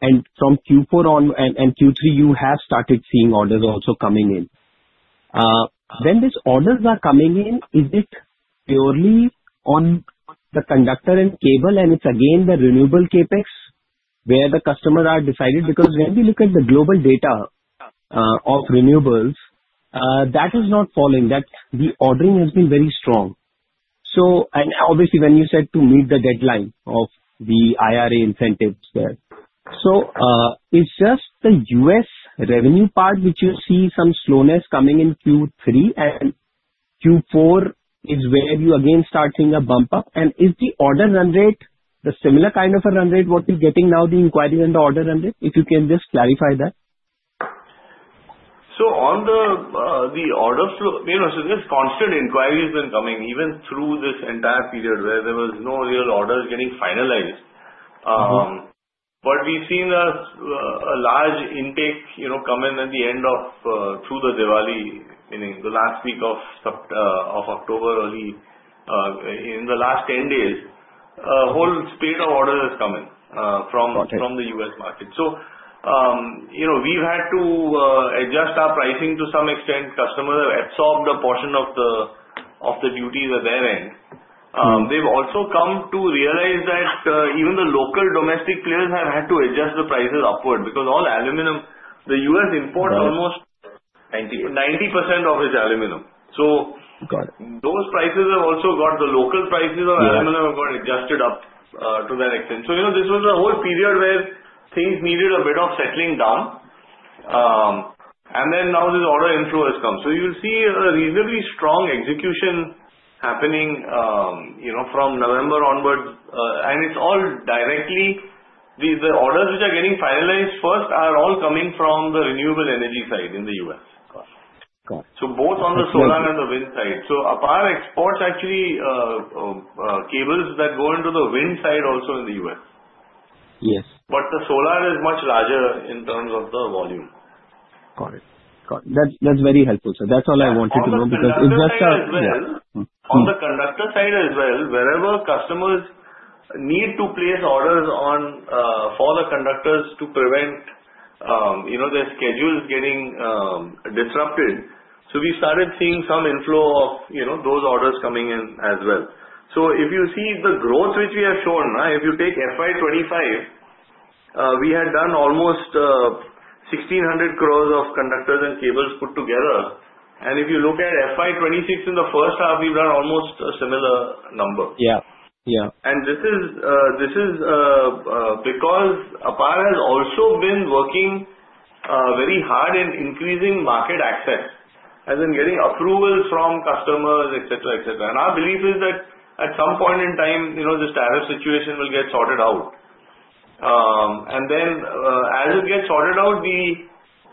And from Q4 on and Q3, you have started seeing orders also coming in. When these orders are coming in, is it purely on the conductor and cables, and it's again the renewable CapEx where the customers are decided? Because when we look at the global data of renewables, that is not falling. The ordering has been very strong. And obviously, when you said to meet the deadline of the IRA incentives there. So is just the U.S. revenue part which you see some slowness coming in Q3, and Q4 is where you again start seeing a bump up? And is the order run rate, the similar kind of a run rate what you're getting now, the inquiry and the order run rate? If you can just clarify that. On the order flow, this constant inquiry has been coming even through this entire period where there was no real orders getting finalized. But we've seen a large intake come in at the end of, through the Diwali, the last week of October, early in the last 10 days. A whole spate of orders has come in from the U.S. market. So we've had to adjust our pricing to some extent. Customers have absorbed a portion of the duties at their end. They've also come to realize that even the local domestic players have had to adjust the prices upward because all aluminum, the U.S. imports almost 90% of its aluminum. So those prices have also got adjusted. The local prices of aluminum have got adjusted up to that extent. So this was a whole period where things needed a bit of settling down. Then now this order inflow has come. So you'll see a reasonably strong execution happening from November onwards. It's all directly the orders which are getting finalized first are all coming from the renewable energy side in the US. Both on the solar and the wind side. APAR exports actually cables that go into the wind side also in the U.S. But the solar is much larger in terms of the volume. Got it. That's very helpful, sir. That's all I wanted to know because it's just a yeah. On the conductor side as well, wherever customers need to place orders for the conductors to prevent their schedules getting disrupted. We started seeing some inflow of those orders coming in as well. So if you see the growth which we have shown, if you take FY25, we had done almost INR 1,600 crores of conductors and cables put together. And if you look at FY26 in the first half, we've done almost a similar number. And this is because APAR has also been working very hard in increasing market access, as in getting approvals from customers, etc., etc. And our belief is that at some point in time, this tariff situation will get sorted out. And then as it gets sorted out, the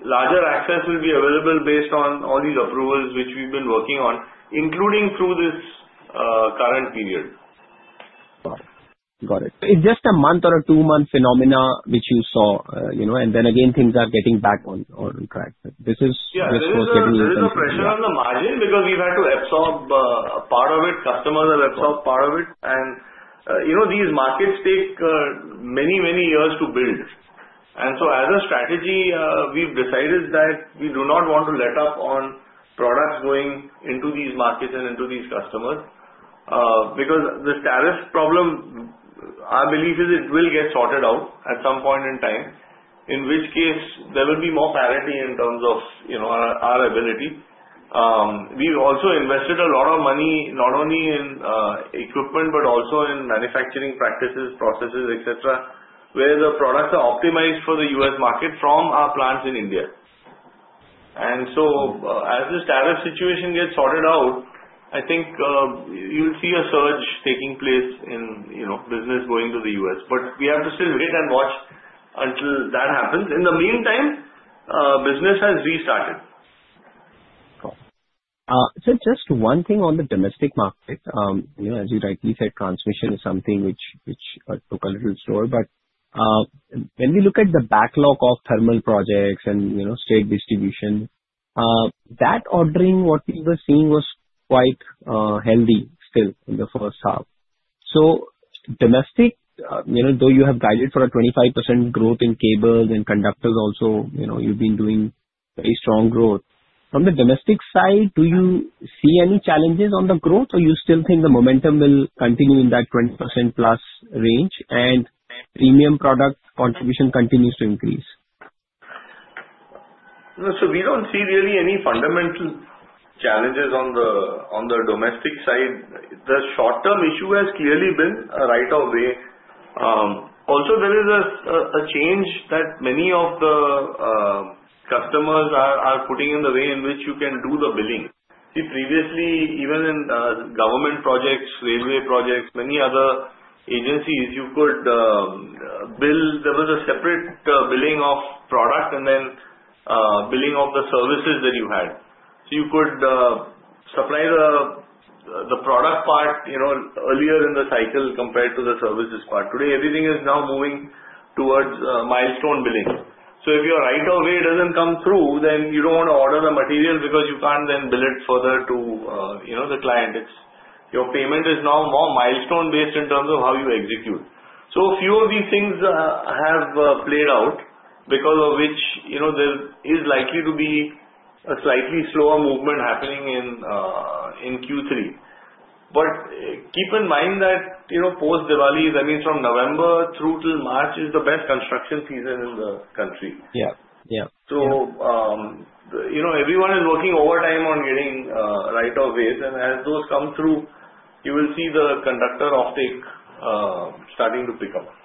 larger access will be available based on all these approvals which we've been working on, including through this current period. Got it. It's just a month or a two-month phenomenon which you saw. And then again, things are getting back on track. This is just getting a little bit. Yeah. There is no pressure on the margin because we've had to absorb part of it. Customers have absorbed part of it. And these markets take many, many years to build. And so as a strategy, we've decided that we do not want to let up on products going into these markets and into these customers because the tariff problem, our belief is it will get sorted out at some point in time, in which case there will be more parity in terms of our ability. We've also invested a lot of money not only in equipment but also in manufacturing practices, processes, etc., where the products are optimized for the U.S. market from our plants in India. And so as this tariff situation gets sorted out, I think you'll see a surge taking place in business going to the U.S. But we have to still wait and watch until that happens. In the meantime, business has restarted. So just one thing on the domestic market. As you rightly said, transmission is something which took a little hit. But when we look at the backlog of thermal projects and state distribution, that ordering, what we were seeing was quite healthy still in the first half. So domestic, though you have guided for a 25% growth in cables and conductors also, you've been doing very strong growth. From the domestic side, do you see any challenges on the growth, or you still think the momentum will continue in that 20% plus range and premium product contribution continues to increase? So we don't see really any fundamental challenges on the domestic side. The short-term issue has clearly been a right of way. Also, there is a change that many of the customers are putting in the way in which you can do the billing. See, previously, even in government projects, railway projects, many other agencies, you could bill. There was a separate billing of product and then billing of the services that you had. So you could supply the product part earlier in the cycle compared to the services part. Today, everything is now moving towards milestone billing. So if your right of way doesn't come through, then you don't want to order the material because you can't then bill it further to the client. Your payment is now more milestone-based in terms of how you execute. So a few of these things have played out because of which there is likely to be a slightly slower movement happening in Q3. But keep in mind that Post-Diwali, that means from November through till March is the best construction season in the country. So everyone is working overtime on getting right of way. And as those come through, you will see the conductor offtake starting to pick up.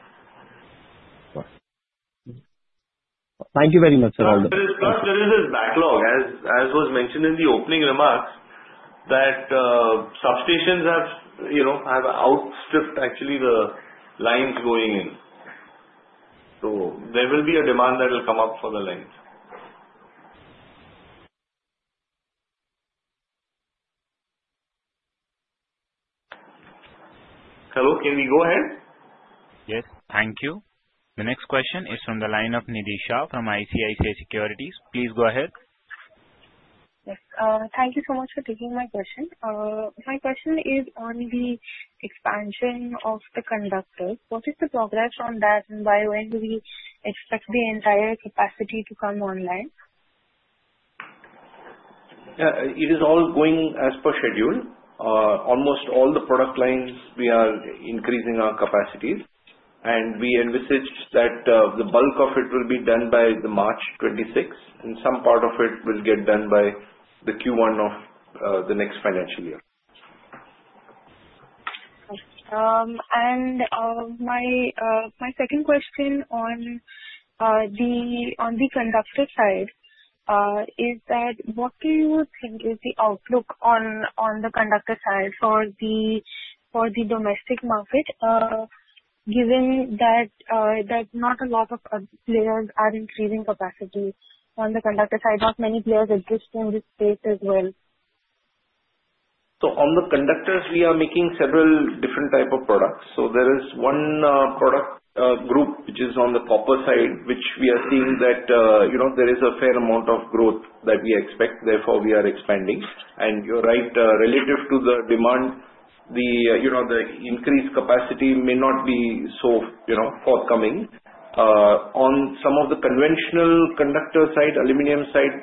Thank you very much for all the. There is this backlog, as was mentioned in the opening remarks, that substations have outstripped actually the lines going in. So there will be a demand that will come up for the lines. Hello, can we go ahead? Yes, thank you. The next question is from the line of Nitisha from ICICI Securities. Please go ahead. Yes. Thank you so much for taking my question. My question is on the expansion of the conductors. What is the progress on that, and by when do we expect the entire capacity to come online? It is all going as per schedule. Almost all the product lines, we are increasing our capacity. And we envisage that the bulk of it will be done by March 26, and some part of it will get done by the Q1 of the next financial year. And my second question on the conductor side is that what do you think is the outlook on the conductor side for the domestic market, given that not a lot of players are increasing capacity on the conductor side? Not many players exist in this space as well. So on the conductors, we are making several different types of products. So there is one product group which is on the copper side, which we are seeing that there is a fair amount of growth that we expect. Therefore, we are expanding. And you're right. Relative to the demand, the increased capacity may not be so forthcoming. On some of the conventional conductor side, aluminum side,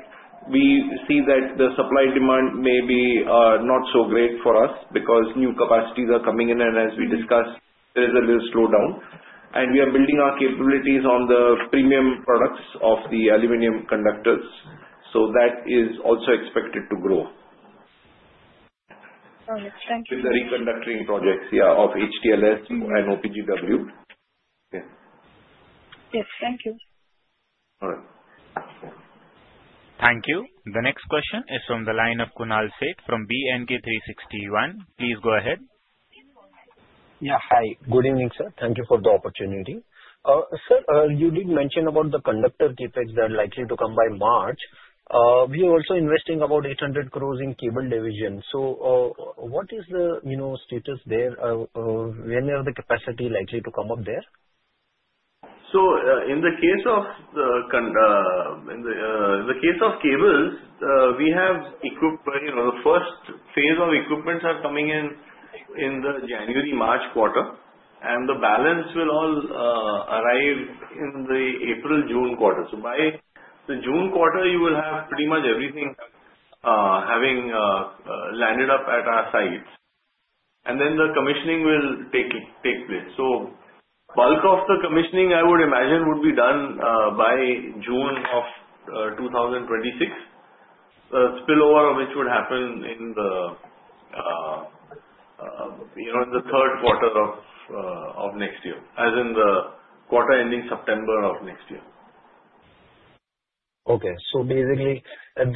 we see that the supply demand may be not so great for us because new capacities are coming in. And as we discussed, there is a little slowdown. And we are building our capabilities on the premium products of the aluminum conductors. So that is also expected to grow. Thank you. With the reconductoring projects, yeah, of HTLS and OPGW. Yes. Yes. Thank you. All right. Thank you. The next question is from the line of Kunal Sheth from B&K Securities. Please go ahead. Yeah. Hi. Good evening, sir. Thank you for the opportunity. Sir, you did mention about the conductor CapEx that are likely to come by March. We are also investing about 800 crores in cables division. So what is the status there? When is the capacity likely to come up there? So in the case of cables, the first phase of equipment is coming in in the January-March quarter. And the balance will all arrive in the April-June quarter. So by the June quarter, you will have pretty much everything having landed up at our sites. And then the commissioning will take place. So bulk of the commissioning, I would imagine, would be done by June of 2026, spillover of which would happen in the third quarter of next year, as in the quarter ending September of next year. Okay. Basically, and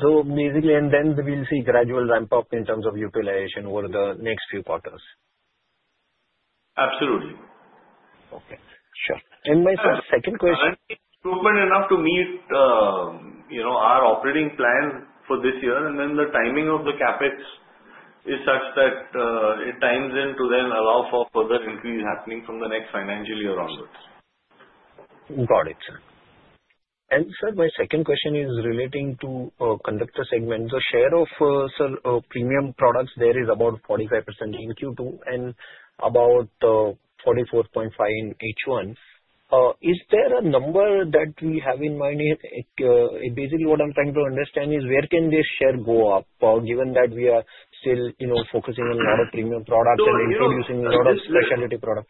then we'll see gradual ramp up in terms of utilization over the next few quarters. Absolutely. Okay. Sure. And my second question. Equipment enough to meet our operating plan for this year. The timing of the CapEx is such that it times in to then allow for further increase happening from the next financial year onwards. Got it, sir. Sir, my second question is relating to conductor segment. The share of, sir, premium products there is about 45% in Q2 and about 44.5% in H1. Is there a number that we have in mind here? Basically, what I'm trying to understand is where can this share go up, given that we are still focusing on a lot of premium products and introducing a lot of specialty products?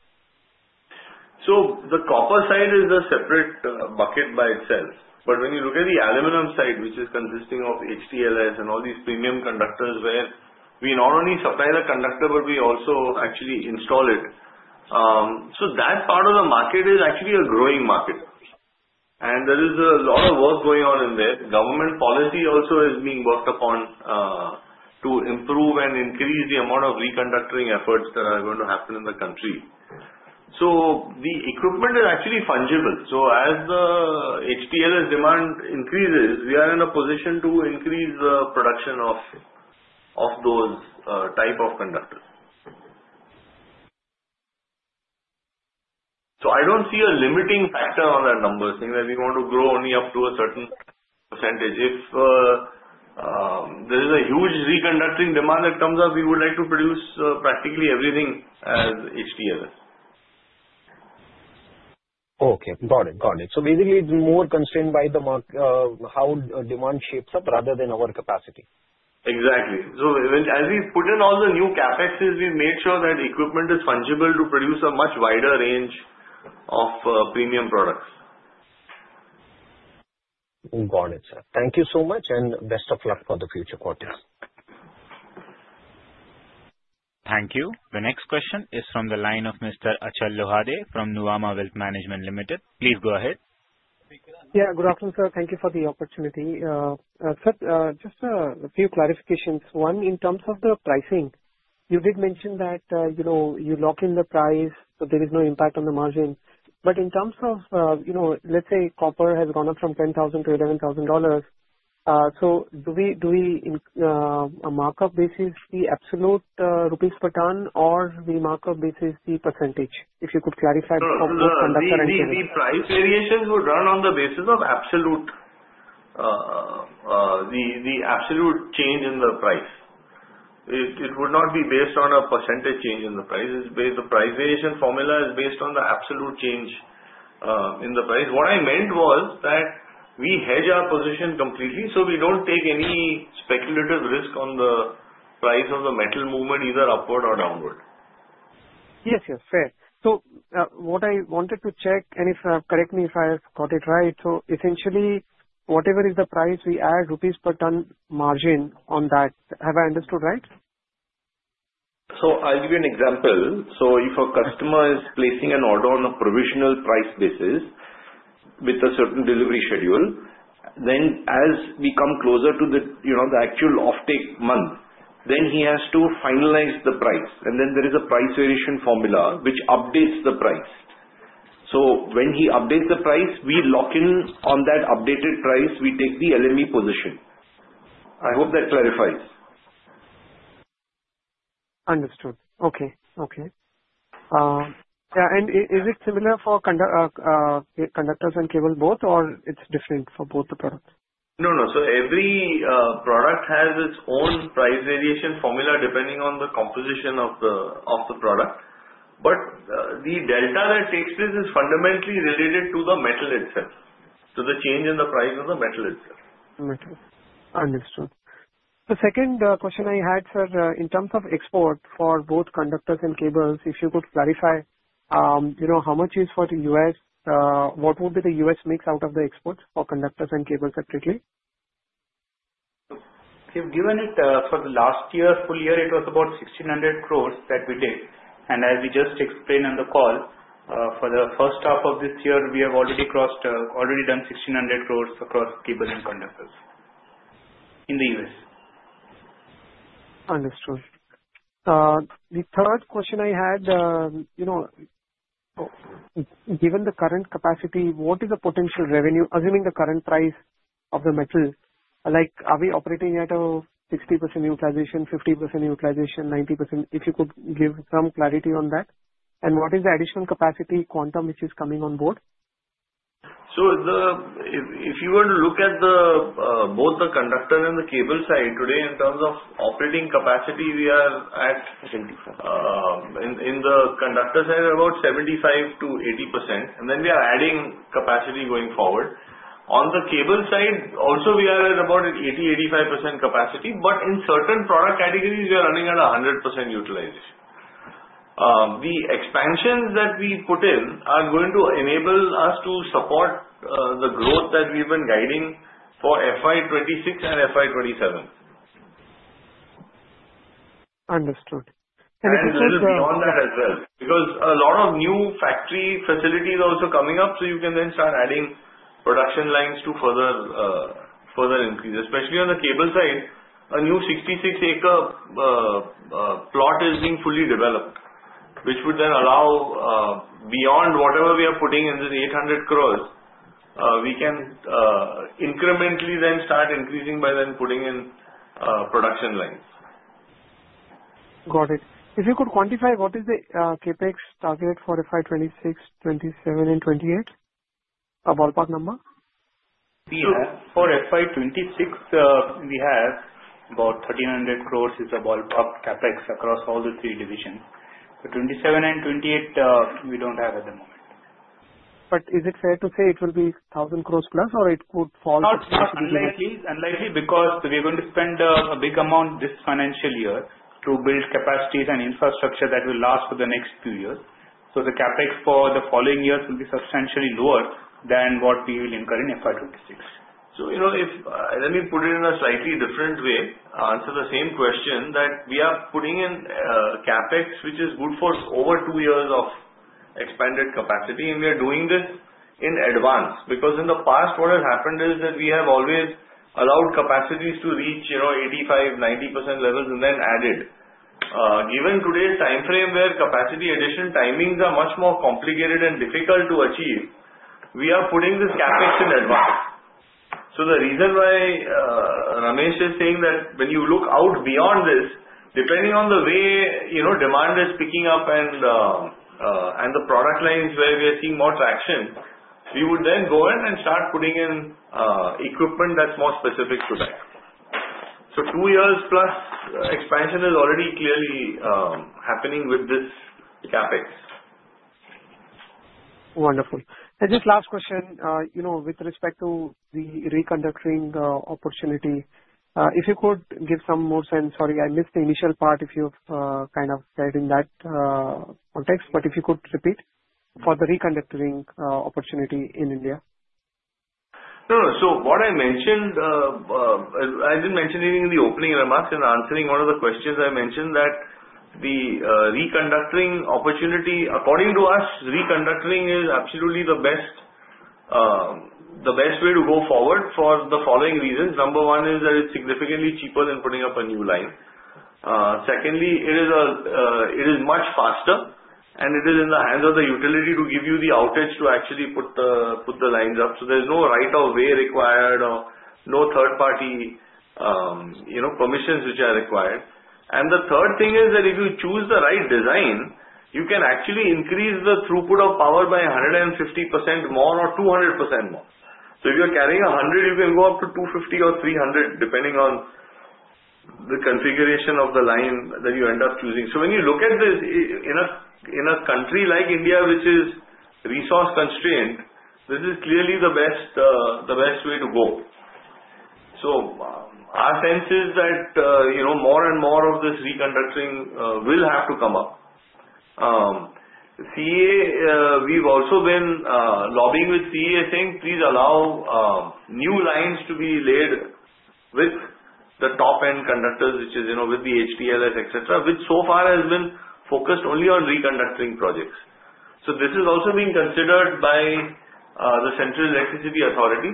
The copper side is a separate bucket by itself. But when you look at the aluminum side, which is consisting of HTLS and all these premium conductors where we not only supply the conductor, but we also actually install it. That part of the market is actually a growing market. There is a lot of work going on in there. Government policy also is being worked upon to improve and increase the amount of reconductoring efforts that are going to happen in the country. So the equipment is actually fungible. So as the HTLS demand increases, we are in a position to increase the production of those type of conductors. So I don't see a limiting factor on that number, saying that we want to grow only up to a certain percentage. If there is a huge reconductoring demand that comes up, we would like to produce practically everything as HTLS. Okay. Got it. Got it. So basically, it's more constrained by how demand shapes up rather than our capacity. Exactly. So as we've put in all the new CapExes, we've made sure that equipment is fungible to produce a much wider range of premium products. Got it, sir. Thank you so much, and best of luck for the future quarters. Thank you. The next question is from the line of Mr. Achal Lohade from Nuvama Wealth Management Limited. Please go ahead. Yeah. Good afternoon, sir. Thank you for the opportunity. Sir, just a few clarifications. One, in terms of the pricing, you did mention that you lock in the price, so there is no impact on the margin. But in terms of, let's say, copper has gone up from $10,000 to $11,000, so do we mark up basis the absolute rupees per ton, or we mark up basis the percentage? If you could clarify for both conductor and cables. The price variations would run on the basis of absolute change in the price. It would not be based on a percentage change in the price. The price variation formula is based on the absolute change in the price. What I meant was that we hedge our position completely, so we don't take any speculative risk on the price of the metal movement, either upward or downward. Yes, yes, fair. So what I wanted to check, and correct me if I have got it right, so essentially, whatever is the price, we add rupees per ton margin on that. Have I understood right? So I'll give you an example. So if a customer is placing an order on a provisional price basis with a certain delivery schedule, then as we come closer to the actual offtake month, then he has to finalize the price. And then there is a price variation formula which updates the price. So when he updates the price, we lock in on that updated price. We take the LME position. I hope that clarifies. Understood. Okay. Okay. Yeah. And is it similar for conductors and cables both, or it's different for both the products? No, no. So every product has its own price variation formula depending on the composition of the product. But the delta that takes place is fundamentally related to the metal itself, to the change in the price of the metal itself. Understood. The second question I had, sir, in terms of export for both conductors and cables, if you could clarify how much is for the U.S., what would be the U.S. mix out of the exports for conductors and cables separately? Given it for the last year, full year, it was about 1,600 crores that we did. And as we just explained on the call, for the first half of this year, we have already done 1,600 crores across cables and conductors in the U.S. Understood. The third question I had, given the current capacity, what is the potential revenue, assuming the current price of the metal? Are we operating at a 60% utilization, 50% utilization, 90%? If you could give some clarity on that. And what is the additional capacity quantum which is coming on board? So if you were to look at both the conductor and the cables side today, in terms of operating capacity, we are at 75%. In the conductor side, about 75-80%. And then we are adding capacity going forward. On the cables side, also, we are at about 80-85% capacity. But in certain product categories, we are running at 100% utilization. The expansions that we put in are going to enable us to support the growth that we've been guiding for FY26 and FY27. Understood. And if it's just. And it will be on that as well. Because a lot of new factory facilities are also coming up, so you can then start adding production lines to further increase, especially on the cables side. A new 66-acre plot is being fully developed, which would then allow, beyond whatever we are putting in this 800 crores, we can incrementally then start increasing by then putting in production lines. Got it. If you could quantify, what is the CapEx target for FY26, 27, and 28? A ballpark number. Yeah. For FY26, we have about 1,300 crores is the ballpark CapEx across all the three divisions. But 27 and 28, we don't have at the moment. But is it fair to say it will be 1,000 crores plus, or it could fall? It's unlikely, unlikely because we are going to spend a big amount this financial year to build capacities and infrastructure that will last for the next few years. So the CapEx for the following years will be substantially lower than what we will incur in FY26. So let me put it in a slightly different way to the same question that we are putting in CapEx, which is good for over two years of expanded capacity. And we are doing this in advance because in the past, what has happened is that we have always allowed capacities to reach 85%-90% levels and then added. Given today's time frame where capacity addition timings are much more complicated and difficult to achieve, we are putting this CapEx in advance. So the reason why Ramesh is saying that when you look out beyond this, depending on the way demand is picking up and the product lines where we are seeing more traction, we would then go in and start putting in equipment that's more specific to that. So two years plus expansion is already clearly happening with this CapEx. Wonderful. And just last question with respect to the reconductoring opportunity. If you could give some more sense, sorry, I missed the initial part if you kind of said in that context. But if you could repeat for the reconductoring opportunity in India. No, no. So what I mentioned, I didn't mention anything in the opening remarks and answering one of the questions I mentioned that the reconductoring opportunity, according to us, reconductoring is absolutely the best way to go forward for the following reasons. Number one is that it's significantly cheaper than putting up a new line. Secondly, it is much faster, and it is in the hands of the utility to give you the outage to actually put the lines up. So there's no right of way required or no third-party permissions which are required. And the third thing is that if you choose the right design, you can actually increase the throughput of power by 150% more or 200% more. So if you're carrying 100, you can go up to 250 or 300, depending on the configuration of the line that you end up choosing. So when you look at this in a country like India, which is resource constrained, this is clearly the best way to go. So our sense is that more and more of this reconductoring will have to come up. We've also been lobbying with CEA, saying, "Please allow new lines to be laid with the top-end conductors, which is with the HTLS," etc., which so far has been focused only on reconductoring projects. So this is also being considered by the Central Electricity Authority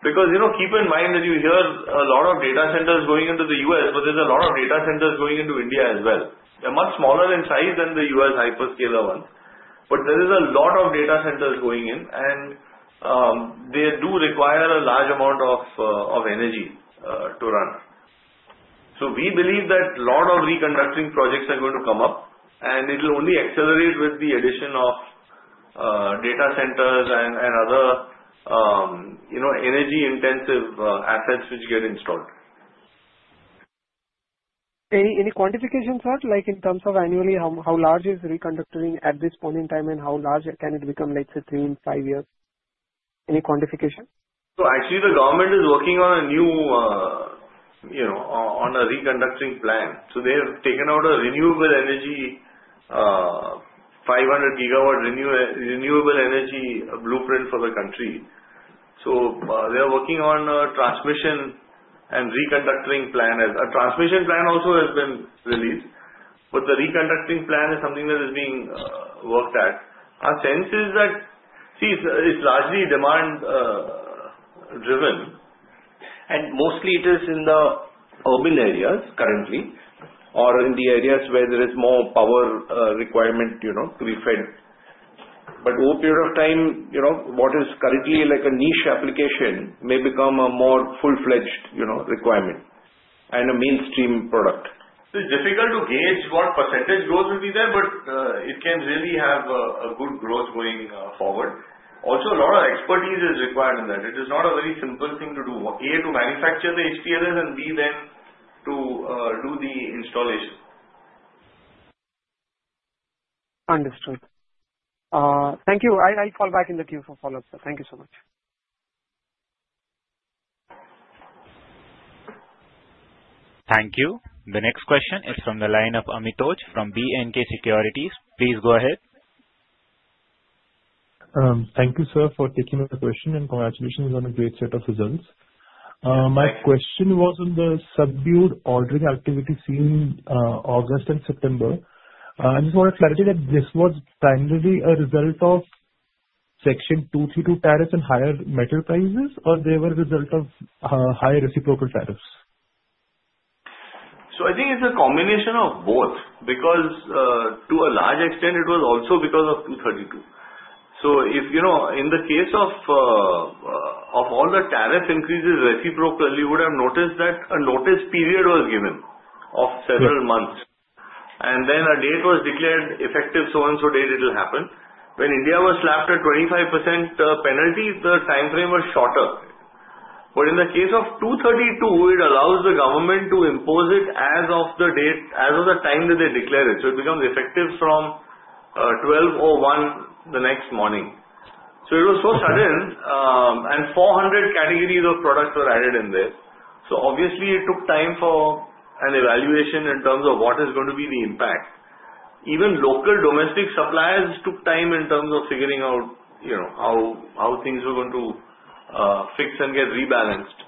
because keep in mind that you hear a lot of data centers going into the U.S., but there's a lot of data centers going in India as well. They're much smaller in size than the U.S. hyperscaler ones. But there is a lot of data centers going in, and they do require a large amount of energy to run. So we believe that a lot of reconductoring projects are going to come up, and it will only accelerate with the addition of data centers and other energy-intensive assets which get installed. Any quantifications, sir, in terms of annually, how large is reconductoring at this point in time, and how large can it become in three and five years? Any quantification? So actually, the government is working on a new reconductoring plan. So they have taken out a renewable energy, 500-gigawatt renewable energy blueprint for the country. So they are working on a transmission and reconductoring plan. A transmission plan also has been released, but the reconductoring plan is something that is being worked at. Our sense is that, see, it's largely demand-driven. And mostly, it is in the urban areas currently or in the areas where there is more power requirement to be fed. But over a period of time, what is currently a niche application may become a more full-fledged requirement and a mainstream product. So it's difficult to gauge what percentage growth will be there, but it can really have a good growth going forward. Also, a lot of expertise is required in that. It is not a very simple thing to do, A, to manufacture the HTLS, and B, then to do the installation. Understood. Thank you. I'll fall back in the queue for follow-up, sir. Thank you so much. Thank you. The next question is from the line of Amitoj Singh from B&K Securities. Please go ahead. Thank you, sir, for taking my question, and congratulations on a great set of results. My question was on the subdued ordering activity seen in August and September. I just wanted clarity that this was primarily a result of Section 232 tariffs and higher metal prices, or they were a result of higher reciprocal tariffs? So I think it's a combination of both because, to a large extent, it was also because of 232. So in the case of all the tariff increases reciprocally, you would have noticed that a notice period was given of several months. And then a date was declared effective, so-and-so date it will happen. When India was slapped a 25% penalty, the time frame was shorter. But in the case of 232, it allows the government to impose it as of the date as of the time that they declare it. So it becomes effective from 12:01 A.M. the next morning. So it was so sudden, and 400 categories of products were added in there. So obviously, it took time for an evaluation in terms of what is going to be the impact. Even local domestic suppliers took time in terms of figuring out how things were going to fix and get rebalanced.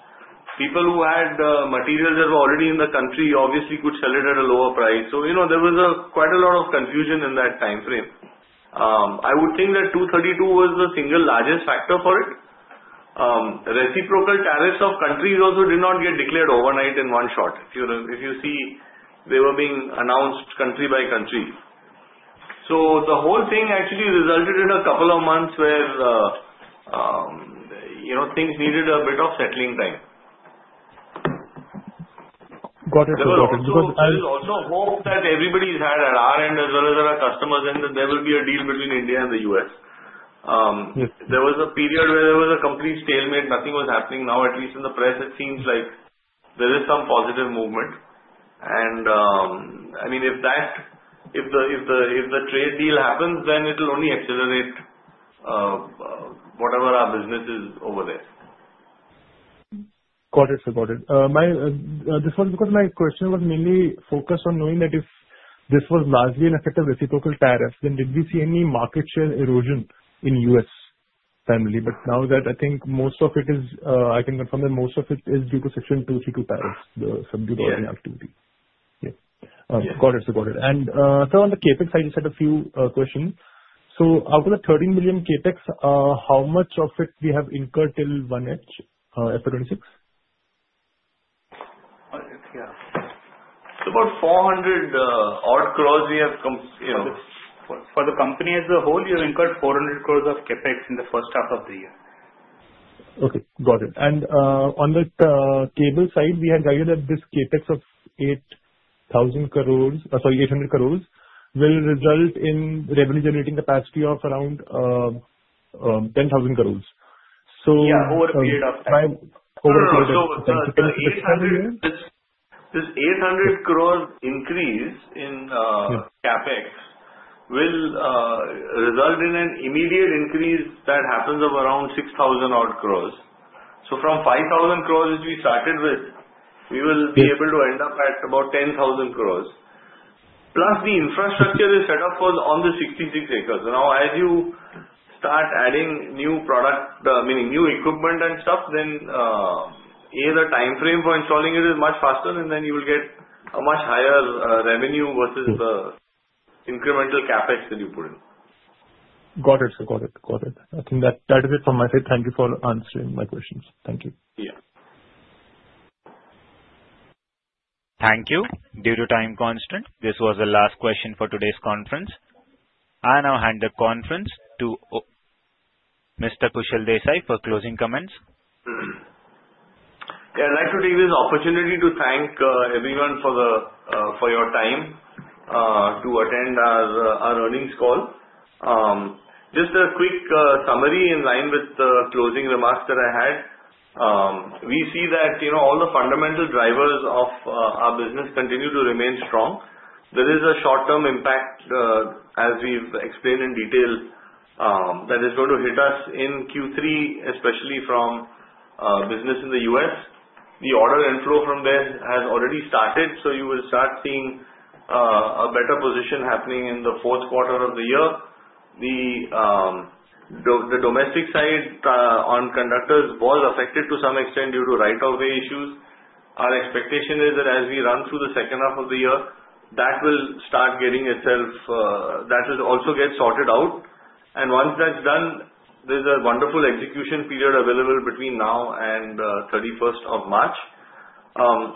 People who had materials that were already in the country obviously could sell it at a lower price. So there was quite a lot of confusion in that time frame. I would think that 232 was the single largest factor for it. Reciprocal tariffs of countries also did not get declared overnight in one shot. If you see, they were being announced country by country. So the whole thing actually resulted in a couple of months where things needed a bit of settling time. Got it. Because I also hope that everybody's had at our end as well as our customers' end that there will be a deal between India and the U.S. There was a period where there was a complete stalemate. Nothing was happening. Now, at least in the press, it seems like there is some positive movement. And I mean, if the trade deal happens, then it will only accelerate whatever our business is over there. Got it. This was because my question was mainly focused on knowing that if this was largely an effective reciprocal tariff, then did we see any market share erosion in the U.S. primarily? But now that I think most of it is, I can confirm that most of it is due to Section 232 tariffs, the subdued ordering activity. Yeah. Got it. Got it. And sir, on the CapEx, I just had a few questions. So out of the 13 million CapEx, how much of it do we have incurred till 1H, FY26? Yeah. So, about 400 crores we have for the company as a whole. We have incurred 400 crores of CapEx in the first half of the year. Okay. Got it. And on the cables side, we had guided that this CapEx of 8,000 crores sorry, 800 crores will result in revenue-generating capacity of around 10,000 crores. So Yeah. Over a period of time. Over a period of time. So 800 crores. This 800 crores increase in CapEx will result in an immediate increase that happens of around 6,000 odd crores. So from 5,000 crores which we started with, we will be able to end up at about 10,000 crores. Plus, the infrastructure is set up on the 66 acres. Now, as you start adding new product, meaning new equipment and stuff, then a, the time frame for installing it is much faster, and then you will get a much higher revenue versus the incremental CapEx that you put in. Got it. Got it. Got it. I think that is it from my side. Thank you for answering my questions. Thank you. Yeah. Thank you. Due to time constraints, this was the last question for today's conference. I now hand the conference to Mr. Kushal Desai for closing comments. Yeah. I'd like to take this opportunity to thank everyone for your time to attend our earnings call. Just a quick summary in line with the closing remarks that I had. We see that all the fundamental drivers of our business continue to remain strong. There is a short-term impact, as we've explained in detail, that is going to hit us in Q3, especially from business in the U.S. The order inflow from there has already started, so you will start seeing a better position happening in the fourth quarter of the year. The domestic side on conductors was affected to some extent due to right of way issues. Our expectation is that as we run through the second half of the year, that will also get sorted out, and once that's done, there's a wonderful execution period available between now and 31st of March.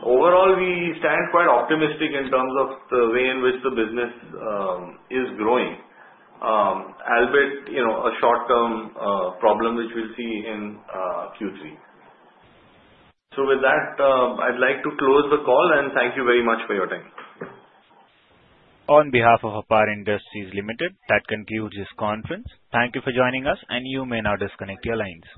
Overall, we stand quite optimistic in terms of the way in which the business is growing, albeit a short-term problem which we'll see in Q3, so with that, I'd like to close the call, and thank you very much for your time. On behalf of APAR Industries Limited, that concludes this conference. Thank you for joining us, and you may now disconnect your lines.